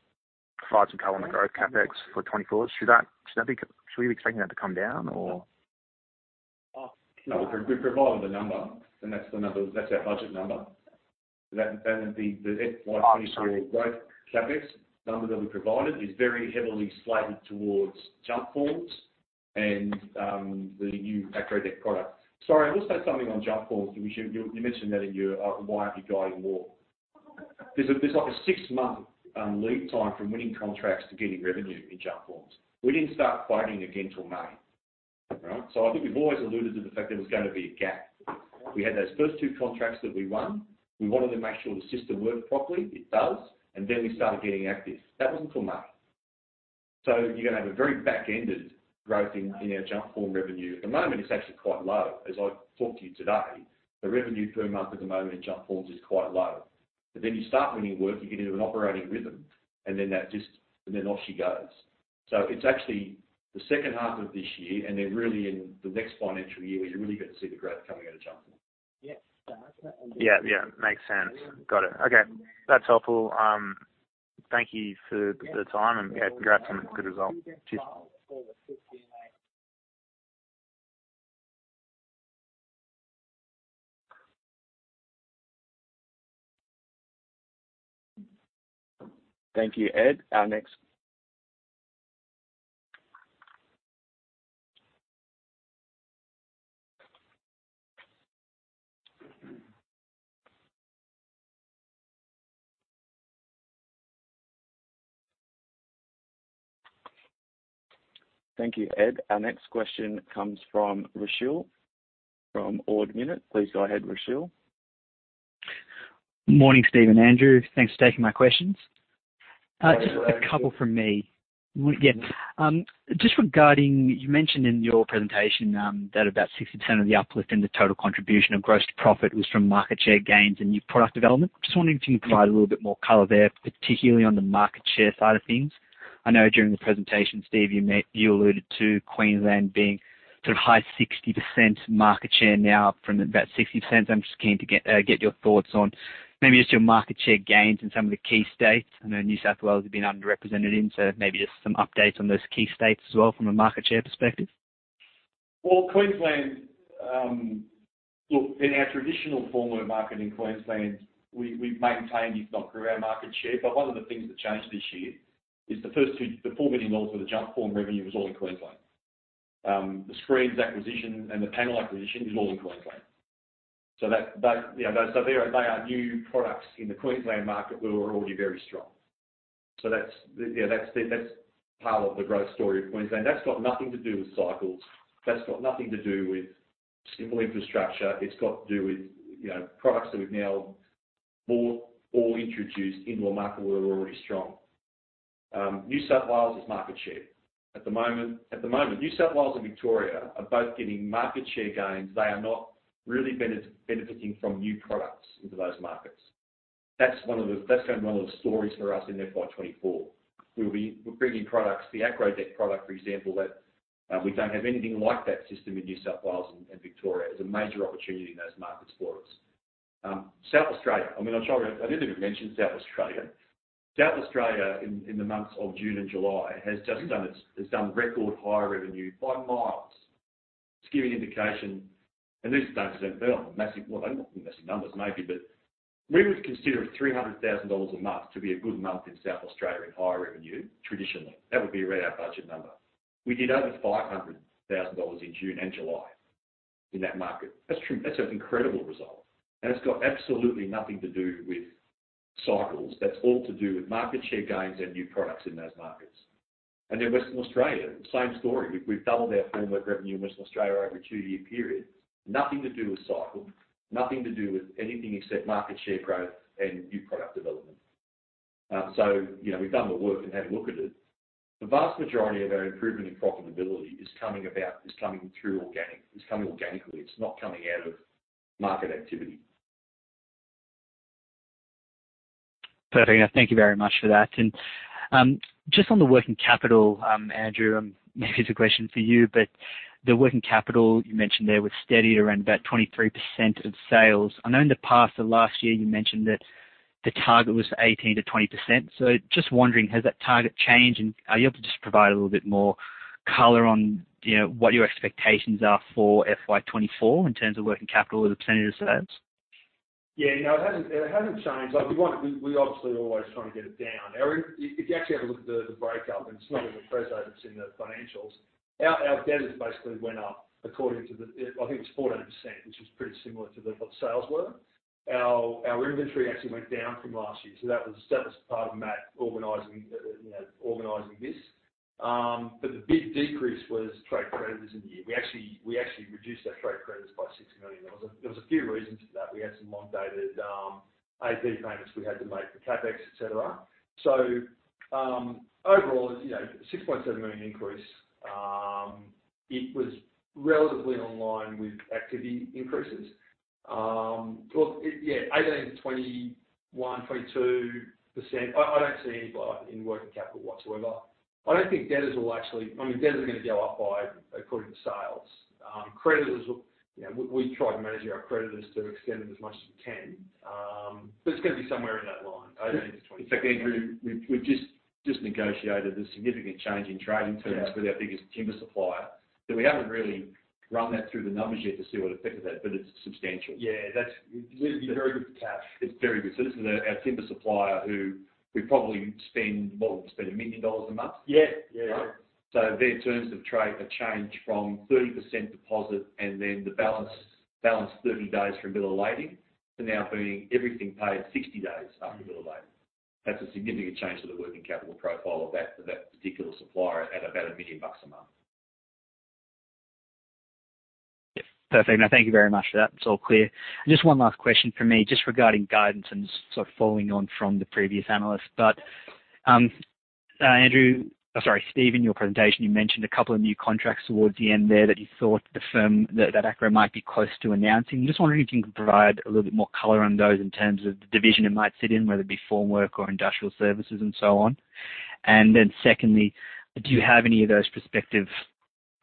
provide some color on the growth CapEx for 2024? Should that, should that be, should we be expecting that to come down or? No, we're, we provided a number, and that's the number, that's our budget number. That, and the FY24 growth CapEx number that we provided is very heavily slated towards Jump Forms and the new AcrowDeck product. Sorry, I'll also say something on Jump Forms, because you mentioned that in your, why aren't you guiding more? There's a, there's like a 6-month lead time from winning contracts to getting revenue in Jump Forms. We didn't start quoting again till May, right? I think we've always alluded to the fact that there was gonna be a gap. We had those first two contracts that we won. We wanted to make sure the system worked properly. It does. Then we started getting active. That wasn't till May. You're gonna have a very back-ended growth in our Jump Form revenue. At the moment, it's actually quite low. As I talked to you today, the revenue per month at the moment in Jump Forms is quite low. Then you start winning work, you get into an operating rhythm, and then that just, and then off she goes. It's actually the second half of this year, and then really in the next financial year, where you're really going to see the growth coming out of Jumpform. Yeah. Yeah, yeah, makes sense. Got it. Okay, that's helpful, thank you for the time and, yeah, congrats on the good result. Cheers. Thank you, Ed. Our next question comes from Rushil, from Ord Minnett. Please go ahead, Rushil. Morning, Steve and Andrew. Thanks for taking my questions. Hi, Rushil. Just a couple from me. Yeah, just regarding, you mentioned in your presentation that about 60% of the uplift in the total contribution of gross profit was from market share gains and new product development. Just wondering if you can provide a little bit more color there, particularly on the market share side of things. I know during the presentation, Steve, you alluded to Queensland being sort of high 60% market share now from about 60%. I'm just keen to get your thoughts on maybe just your market share gains in some of the key states. I know New South Wales has been underrepresented in, so maybe just some updates on those key states as well from a market share perspective. Queensland, look, in our traditional form of market in Queensland, we, we've maintained, if not grew our market share. One of the things that changed this year is the first 2, the 4 million dollars of the Jumpform revenue was all in Queensland. The screens acquisition and the panel acquisition is all in Queensland. That, that, you know, so they are, they are new products in the Queensland market where we're already very strong. That's, yeah, that's, that's part of the growth story of Queensland. That's got nothing to do with cycles, that's got nothing to do with simple infrastructure. It's got to do with, you know, products that we've now bought or introduced into a market where we're already strong. New South Wales is market share. At the moment, at the moment, New South Wales and Victoria are both getting market share gains. They are not really benefiting from new products into those markets. That's one of the, that's going to be one of the stories for us in FY24. We'll be, we're bringing products, the AcrowDeck product, for example, that we don't have anything like that system in New South Wales and, and Victoria. It's a major opportunity in those markets for us. South Australia, I mean, I'm sorry, I didn't even mention South Australia. South Australia, in, in the months of June and July, has just done its, it's done record high revenue by miles. just give you an indication, these are massive, well, they're not massive numbers maybe, but we would consider 300,000 dollars a month to be a good month in South Australia in high revenue, traditionally. That would be around our budget number. We did over 500,000 dollars in June and July in that market. That's an incredible result, it's got absolutely nothing to do with cycles. That's all to do with market share gains and new products in those markets. In Western Australia, same story. We've, we've doubled our formwork revenue in Western Australia over a 2-year period. Nothing to do with cycle, nothing to do with anything except market share growth and new product development. So, you know, we've done the work and had a look at it. The vast majority of our improvement in profitability is coming about, is coming through organic. It's coming organically, it's not coming out of market activity. Perfect. Thank you very much for that. Just on the working capital, Andrew, maybe it's a question for you, but the working capital you mentioned there was steady around about 23% of sales. I know in the past or last year, you mentioned that the target was 18%-20%. Just wondering, has that target changed, and are you able to just provide a little bit more color on, you know, what your expectations are for FY24 in terms of working capital as a % of sales? Yeah, no, it hasn't, it hasn't changed. Like, we, we obviously always trying to get it down. If you actually have a look at the breakup, and it's not in the presser, it's in the financials. Our, our debtors basically went up according to the, I think it's 14%, which is pretty similar to what the sales were. Our, our inventory actually went down from last year, so that was, that was part of Matt organizing, you know, organizing this. The big decrease was trade creditors in the year. We actually, we actually reduced our trade creditors by AUD 6 million. There was a few reasons for that. We had some long-dated AP payments we had to make for CapEx, etc. Overall, you know, AUD 6.7 million increase, it was relatively in line with activity increases. 18%-21%, 22%. I, I don't see any bump in working capital whatsoever. I don't think debtors will actually, I mean, debtors are going to go up by according to sales. Creditors will, you know, we, we try to manage our creditors to extend it as much as we can. It's going to be somewhere in that line, 18-20. In fact, Andrew, we've, we've just, just negotiated a significant change in trading terms with our biggest timber supplier. We haven't really run that through the numbers yet to see what effect is that, it's substantial. Yeah, that's, it will be very good for cash. It's very good. This is our, our timber supplier, who we probably spend, well, we spend $1 million a month. Yeah. Yeah. Their terms of trade are changed from 30% deposit, and then the balance, balance 30 days from bill of lading, to now being everything paid 60 days after bill of lading. That's a significant change to the working capital profile of that, that particular supplier at about $1 million a month. Yeah, perfect. Now, thank you very much for that. It's all clear. Just one last question from me, just regarding guidance and sort of following on from the previous analyst. Andrew, sorry, Steve, in your presentation, you mentioned a couple of new contracts towards the end there that you thought the firm, that, that Acrow might be close to announcing. Just wondering if you can provide a little bit more color on those in terms of the division it might sit in, whether it be formwork or industrial services and so on. Then secondly, do you have any of those prospective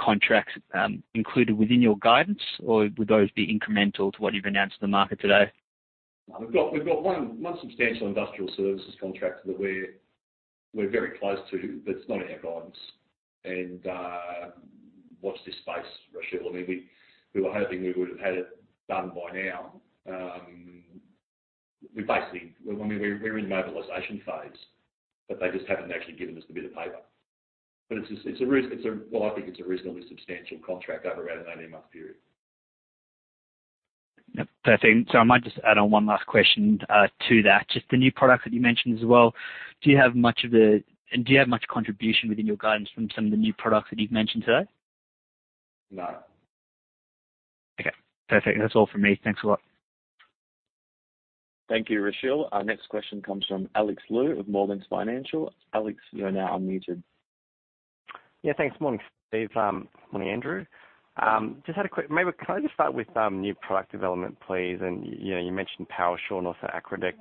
contracts, included within your guidance, or would those be incremental to what you've announced to the market today? We've got, we've got one, one substantial industrial services contract that we're, we're very close to, but it's not in our guidance. Watch this space, Rushil. I mean, we, we were hoping we would have had it done by now. We basically, well, I mean, we're, we're in mobilization phase, but they just haven't actually given us the bit of paper. It's, it's a, well, I think it's a reasonably substantial contract over around an 18-month period. Yep, perfect. I might just add on one last question to that. Just the new product that you mentioned as well, do you have much contribution within your guidance from some of the new products that you've mentioned today? No. Okay, perfect. That's all for me. Thanks a lot. Thank you, Rushil. Our next question comes from Alexander Lu of Morgans Financial. Alex, you are now unmuted. Yeah, thanks. Morning, Steve. Morning, Andrew. Just had a quick, maybe can I just start with new product development, please? You know, you mentioned Powershore and also Acrow Deck,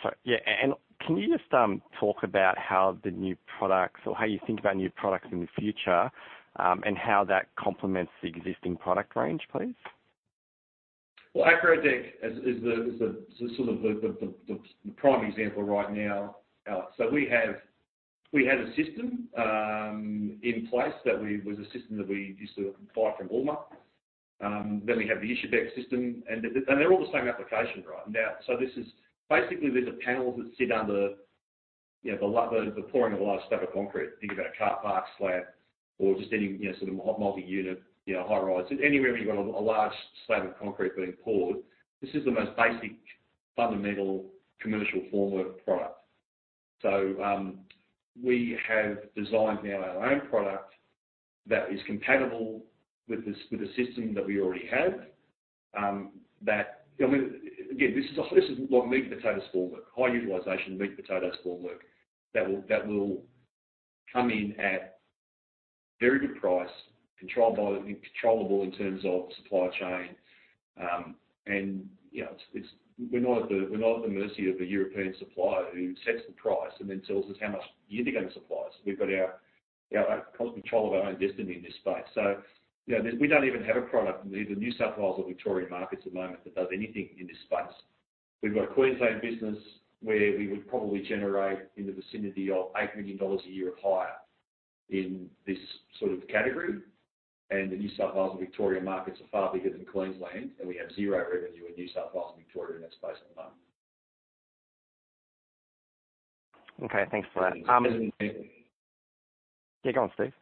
sorry, yeah, and can you just talk about how the new products or how you think about new products in the future, and how that complements the existing product range, please? Well, Acrow Deck is, is the, is the, sort of the, the, the, the prime example right now, Alex. We have, we had a system in place that we, was a system that we used to buy from Walmart. We have the Ischebeck system, and the, and they're all the same application, right? Now, this is, basically, these are panels that sit under, you know, the la- the, the pouring of a large slab of concrete. Think about a car park slab or just any, you know, sort of multi-unit, you know, high-rise. Anywhere where you've got a, a large slab of concrete being poured, this is the most basic, fundamental commercial formwork product. We have designed now our own product that is compatible with this, with the system that we already have. That, I mean, again, this is, this is what meat and potatoes formwork, high utilization meat and potatoes formwork, that will, that will come in at very good price, controlled by, controllable in terms of supply chain. You know, it's, we're not at the, we're not at the mercy of a European supplier who sets the price and then tells us how much you're going to supply us. We've got our, our control of our own destiny in this space. You know, we don't even have a product in the New South Wales or Victorian markets at the moment that does anything in this space. We've got a Queensland business where we would probably generate in the vicinity of 8 million dollars a year or higher in this sort of category, and the New South Wales and Victoria markets are far bigger than Queensland, and we have zero revenue in New South Wales and Victoria in that space at the moment. Okay, thanks for that. Yeah, go on, Steve.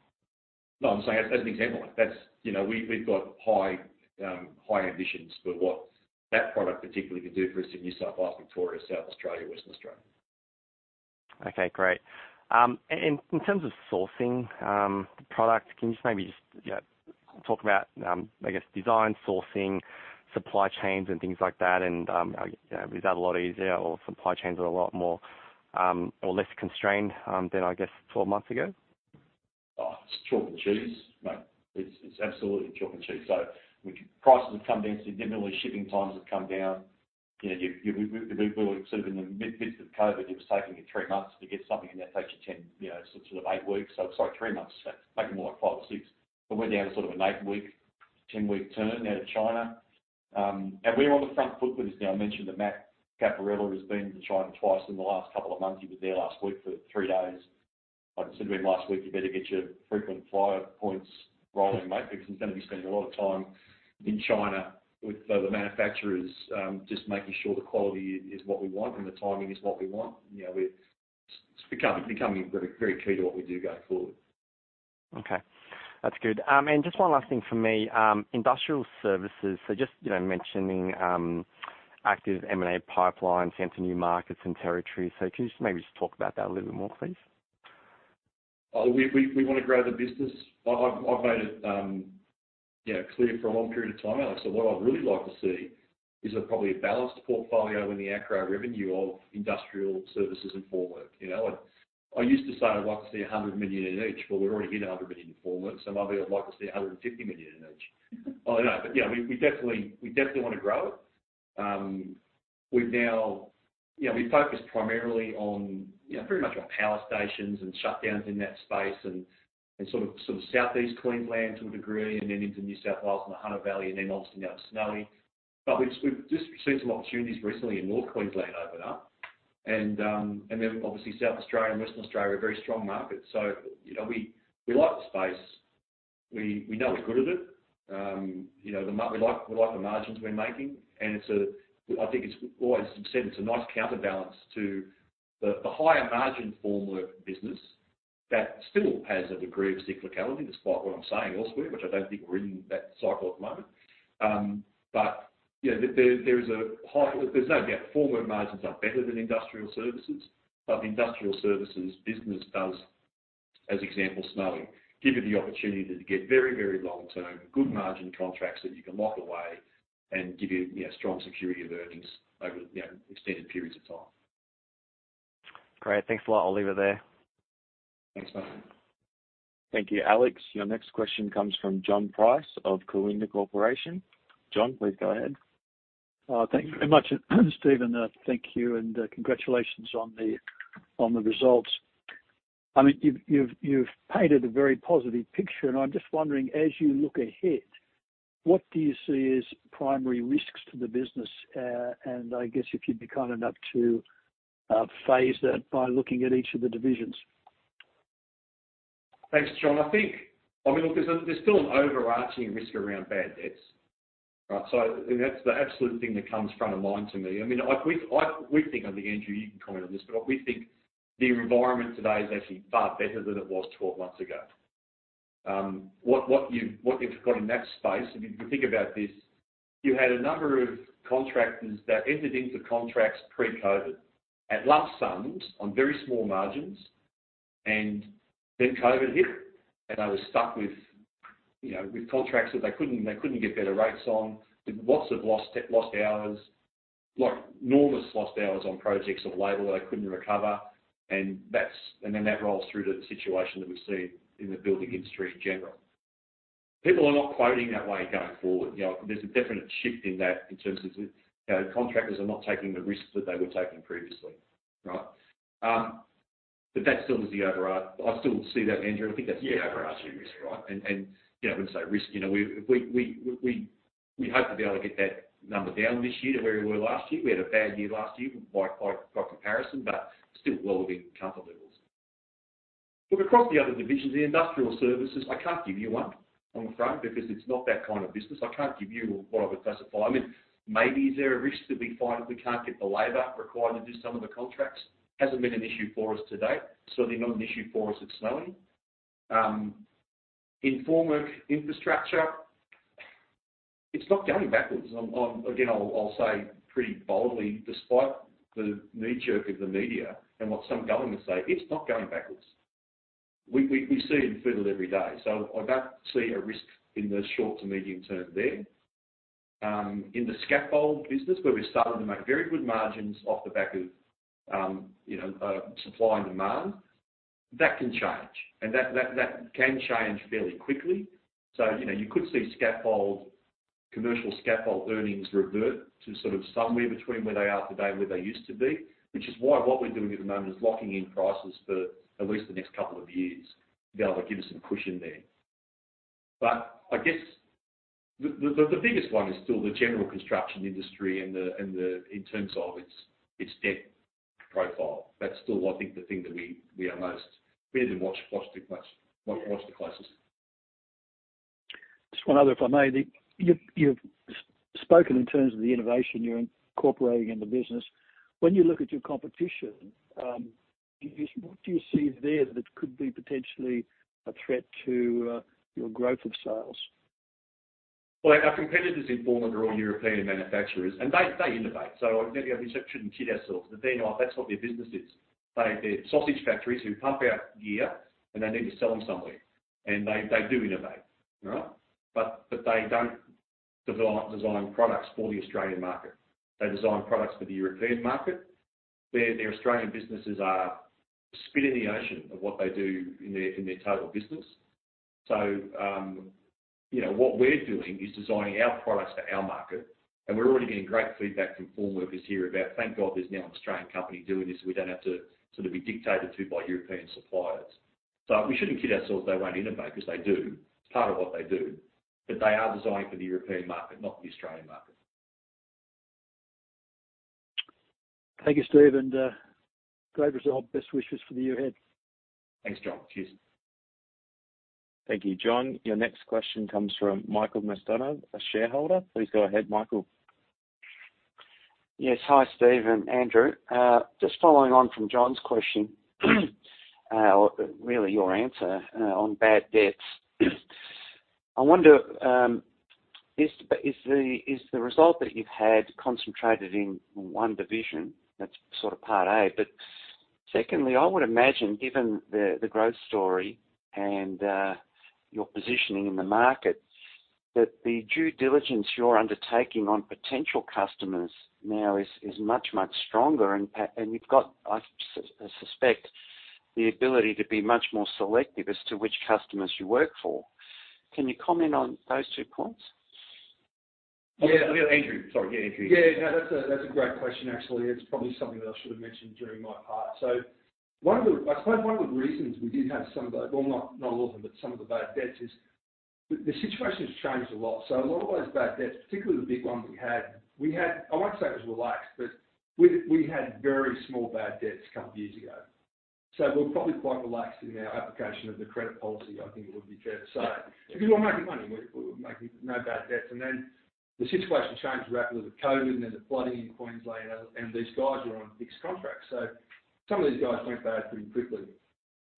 No, I'm saying as, as an example, that's, you know, we've, we've got high, high ambitions for what that product particularly can do for us in New South Wales, Victoria, South Australia, Western Australia. Okay, great. In terms of sourcing, the product, can you just maybe just, you know, talk about, I guess, design, sourcing, supply chains, and things like that, and, is that a lot easier or supply chains are a lot more, or less constrained, than, I guess, 12 months ago? Oh, it's chalk and cheese, mate. It's, it's absolutely chalk and cheese. Prices have come down significantly, shipping times have come down. You know, you, you, we, we, sort of in the mid midst of COVID, it was taking you three months to get something, and that takes you 10, you know, sort of eight weeks. Sorry, three months, taking more like five or six. It went down to sort of an 8-week, 10-week turn out of China. We're on the front foot with this now. I mentioned that Matt Caporella has been to China two times in the last two months. He was there last week for three days. I said to him last week, "You better get your frequent flyer points rolling, mate, because he's going to be spending a lot of time in China with the manufacturers," just making sure the quality is, is what we want and the timing is what we want. You know, it's becoming, becoming very, very key to what we do going forward. Okay, that's good. Just one last thing for me, industrial services. Just, you know, mentioning, active M&A pipeline into new markets and territories. Can you just maybe just talk about that a little bit more, please? We, we, we want to grow the business. I've, I've made it, you know, clear for a long period of time. What I'd really like to see is a probably a balanced portfolio in the Acrow revenue of industrial services and formwork, you know? I, I used to say I'd like to see 100 million in each, but we're already in 100 million in formwork, so maybe I'd like to see 150 million in each. I know, but yeah, we, we definitely, we definitely want to grow it. We've now, you know, we focus primarily on, you know, pretty much on power stations and shutdowns in that space and, and sort of, sort of Southeast Queensland to a degree, and then into New South Wales and the Hunter Valley, and then obviously now Snowy. We've, we've just seen some opportunities recently in North Queensland open up, and then obviously, South Australia and Western Australia are very strong markets. You know, we, we like the space, we, we know we're good at it. You know, we like, we like the margins we're making, and it's I think it's always said it's a nice counterbalance to the, the higher margin formwork business that still has a degree of cyclicality, despite what I'm saying elsewhere, which I don't think we're in that cycle at the moment. You know, there's no doubt formwork margins are better than industrial services, but the industrial services business does, as example, Snowy, give you the opportunity to get very, very long-term, good margin contracts that you can lock away and give you, you know, strong security of earnings over, you know, extended periods of time. Great. Thanks a lot. I'll leave it there. Thanks, mate. Thank you, Alex. Your next question comes from John Price of Colinda Corporation. John, please go ahead. Thank you very much, Steven. Thank you. Congratulations on the results. I mean, you've, you've, you've painted a very positive picture. I'm just wondering, as you look ahead, what do you see as primary risks to the business? I guess if you'd be kind enough to phase that by looking at each of the divisions. Thanks, John. I think, I mean, look, there's, there's still an overarching risk around bad debts. Right, so and that's the absolute thing that comes front of mind to me. I mean, I, we, I, we think, I think, Andrew, you can comment on this, but we think the environment today is actually far better than it was 12 months ago. What, what you, what you've got in that space, if you think about this, you had a number of contractors that entered into contracts pre-COVID at lump sums on very small margins, and then COVID hit, and they were stuck with, you know, with contracts that they couldn't, they couldn't get better rates on, with lots of lost, lost hours, like enormous lost hours on projects of labor they couldn't recover. That's, and then that rolls through to the situation that we've seen in the building industry in general. People are not quoting that way going forward. You know, there's a definite shift in that in terms of, you know, contractors are not taking the risks that they were taking previously. Right? That still is the overri-- I still see that, Andrew, I think that's the overarching risk, right? Yeah, absolutely. You know, I wouldn't say risk, you know, we, we, we, we, we hope to be able to get that number down this year to where we were last year. We had a bad year last year by, by, by comparison, but still well within comfort levels. Look, across the other divisions, the industrial services, I can't give you one, I'm afraid, because it's not that kind of business. I can't give you what I would classify. I mean, maybe is there a risk that we find that we can't get the labor required to do some of the contracts? Hasn't been an issue for us to date, certainly not an issue for us at Snowy. In formwork infrastructure, it's not going backwards. I'm again, I'll, I'll say pretty boldly, despite the knee-jerk of the media and what some governments say, it's not going backwards. We see it in fiddle every day, so I don't see a risk in the short to medium term there. In the scaffold business, where we're starting to make very good margins off the back of, you know, supply and demand, that can change, and that can change fairly quickly. You know, you could see scaffold, commercial scaffold earnings revert to sort of somewhere between where they are today and where they used to be, which is why what we're doing at the moment is locking in prices for at least the next 2 years to be able to give us some cushion there. I guess the biggest one is still the general construction industry and the, in terms of its debt profile. That's still, I think, the thing that we watch pretty much, watch the closest. Just one other, if I may. You've spoken in terms of the innovation you're incorporating in the business. When you look at your competition, what do you see there that could be potentially a threat to your growth of sales? Well, our competitors in formwork are all European manufacturers, and they, they innovate. So we shouldn't kid ourselves, but they know that's what their business is. They, they're sausage factories who pump out gear, and they need to sell them somewhere. And they, they do innovate, all right? But, but they don't develop, design products for the Australian market. They design products for the European market. Their, their Australian businesses are spit in the ocean of what they do in their, in their total business. So, you know, what we're doing is designing our products for our market, and we're already getting great feedback from formworkers here about, thank God, there's now an Australian company doing this, we don't have to sort of be dictated to by European suppliers. So we shouldn't kid ourselves, they won't innovate because they do. It's part of what they do, but they are designed for the European market, not the Australian market. Thank you, Steve, and great result. Best wishes for the year ahead. Thanks, John. Cheers. Thank you, John. Your next question comes from Michael McDonough, a shareholder. Please go ahead, Michael. Yes. Hi, Steve and Andrew. Just following on from John's question, really your answer on bad debts. I wonder, is the, is the, is the result that you've had concentrated in one division? That's sort of part A, but secondly, I would imagine, given the, the growth story and your positioning in the market, that the due diligence you're undertaking on potential customers now is, is much, much stronger and pa-- and you've got, I su- suspect, the ability to be much more selective as to which customers you work for. Can you comment on those two points? Yeah, Andrew. Sorry, yeah, Andrew. Yeah, that's a, that's a great question, actually. It's probably something that I should have mentioned during my part. One of I suppose one of the reasons we did have some of those, well, not a lot, but some of the bad debts is the, the situation has changed a lot. A lot of those bad debts, particularly the big ones we had, we had. I won't say it was relaxed, but we, we had very small bad debts a couple of years ago. We're probably quite relaxed in our application of the credit policy, I think it would be fair to say. Because we're making money, we're making no bad debts. Then the situation changed rapidly with COVID, and then the flooding in Queensland, and these guys were on fixed contracts. Some of these guys went bad pretty quickly,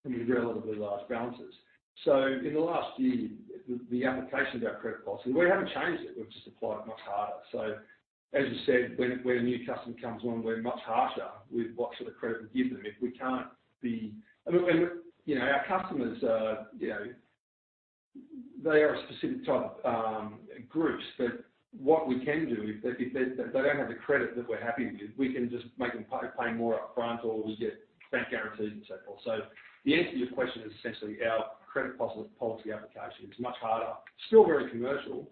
and we had relatively large balances. In the last year, the application of our credit policy, we haven't changed it. We've just applied much harder. As you said, when a new customer comes on, we're much harsher with what sort of credit we give them. I mean, when, you know, our customers are, you know, they are a specific type, groups, but what we can do is if they don't have the credit that we're happy with, we can just make them pay more upfront, or we get bank guarantees and so forth. The answer to your question is essentially, our credit policy application is much harder. Still very commercial,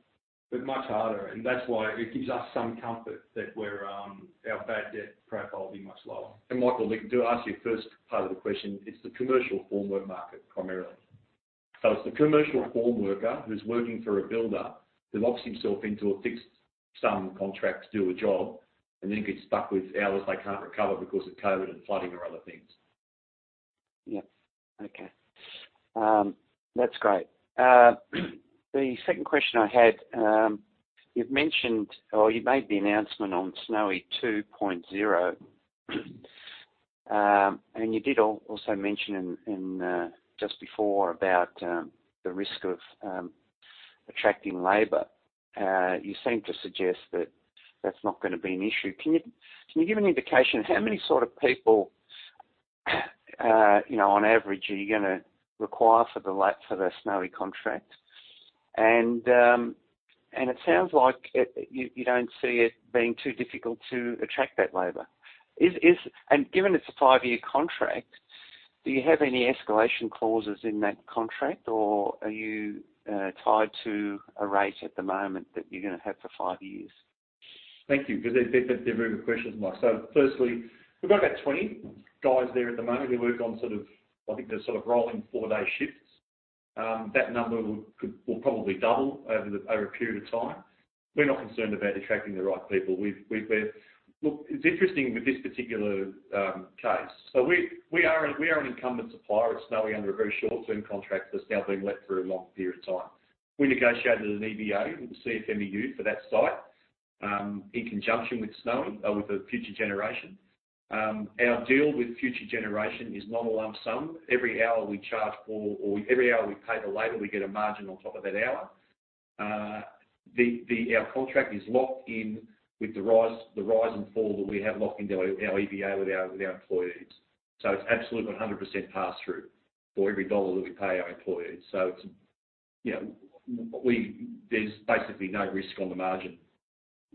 but much harder, and that's why it gives us some comfort that we're, our bad debt profile will be much lower. Michael, to answer your first part of the question, it's the commercial formwork market, primarily. It's the commercial formworker who's working for a builder who locks himself into a fixed sum contract to do a job and then gets stuck with hours they can't recover because of COVID and flooding or other things. Yeah, okay. That's great. The second question I had, you've mentioned, or you made the announcement on Snowy 2.0. You did also mention in, in just before about the risk of attracting labor. You seem to suggest that that's not gonna be an issue. Can you, can you give an indication of how many sort of people, you know, on average, are you gonna require for the Snowy contract? It sounds like it, you, you don't see it being too difficult to attract that labor. Given it's a 5-year contract, do you have any escalation clauses in that contract, or are you tied to a rate at the moment that you're gonna have for 5 years? Thank you, because they're very good questions, Mike. Firstly, we've got about 20 guys there at the moment who work on sort of, I think, they're sort of rolling four-day shifts. That number could, will probably double over the, over a period of time. We're not concerned about attracting the right people. We're Look, it's interesting with this particular case. We are an incumbent supplier at Snowy under a very short-term contract that's now been let for a long period of time. We negotiated an EBA with the CFMEU for that site, in conjunction with Snowy, with the Future Generation. Our deal with Future Generation is not a lump sum. Every hour we charge for or every hour we pay the labor, we get a margin on top of that hour. Our contract is locked in with the rise, the rise and fall that we have locked into our EBA with our employees. It's absolutely 100% pass-through for every Australian dollar that we pay our employees. It's, you know, there's basically no risk on the margin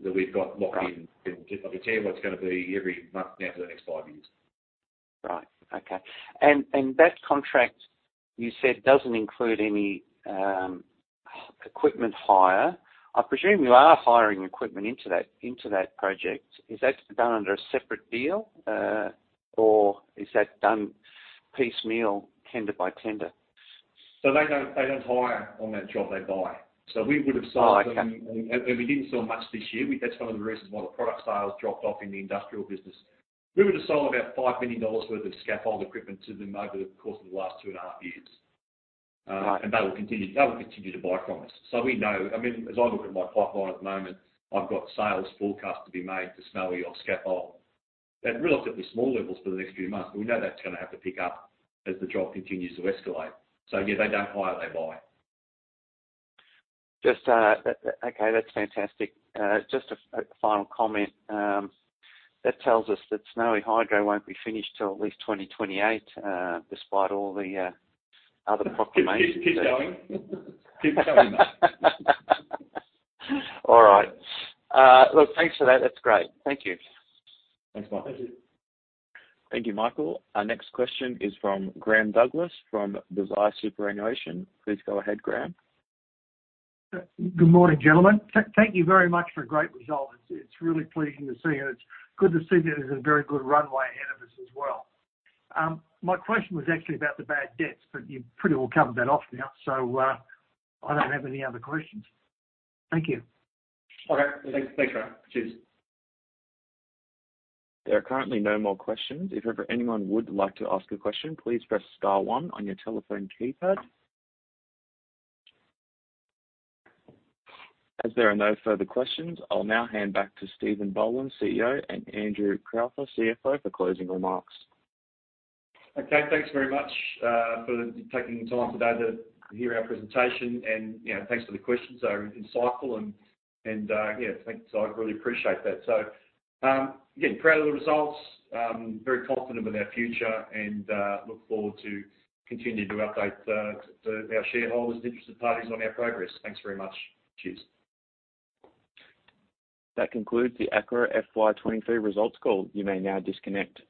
that we've got locked in. I can tell you what it's gonna be every month now for the next 5 years. Right. Okay. That contract, you said, doesn't include any equipment hire, I presume you are hiring equipment into that, into that project. Is that done under a separate deal, or is that done piecemeal, tender by tender? They don't, they don't hire on that job, they buy. We would have sold- Oh, okay. we didn't sell much this year. That's one of the reasons why the product sales dropped off in the industrial business. We would have sold about 5 million dollars worth of scaffold equipment to them over the course of the last two and a half years. Right. They will continue, they will continue to buy from us. We know, I mean, as I look at my pipeline at the moment, I've got sales forecast to be made to Snowy on scaffold. At relatively small levels for the next few months, but we know that's gonna have to pick up as the job continues to escalate. Yeah, they don't hire, they buy. Just... Okay, that's fantastic. Just a final comment. That tells us that Snowy Hydro won't be finished till at least 2028, despite all the other proclamations. Keep, keep going. Keep going. All right. Look, thanks for that. That's great. Thank you. Thanks, Mike. Thank you, Michael. Our next question is from Graham Douglas, from Desire Superannuation. Please go ahead, Graham. Good morning, gentlemen. Thank you very much for a great result. It's, it's really pleasing to see, and it's good to see there's a very good runway ahead of us as well. My question was actually about the bad debts, but you pretty well covered that off now, so, I don't have any other questions. Thank you. Okay. Thanks. Thanks, Graham. Cheers. There are currently no more questions. If ever anyone would like to ask a question, please press star one on your telephone keypad. As there are no further questions, I'll now hand back to Steven Boland, CEO, and Andrew Crowther, CFO, for closing remarks. Okay, thanks very much for taking the time today to hear our presentation. You know, thanks for the questions. They were insightful and, yeah, thanks, I really appreciate that. Again, proud of the results, very confident with our future and look forward to continuing to update our shareholders and interested parties on our progress. Thanks very much. Cheers. That concludes the Acrow FY23 results call. You may now disconnect.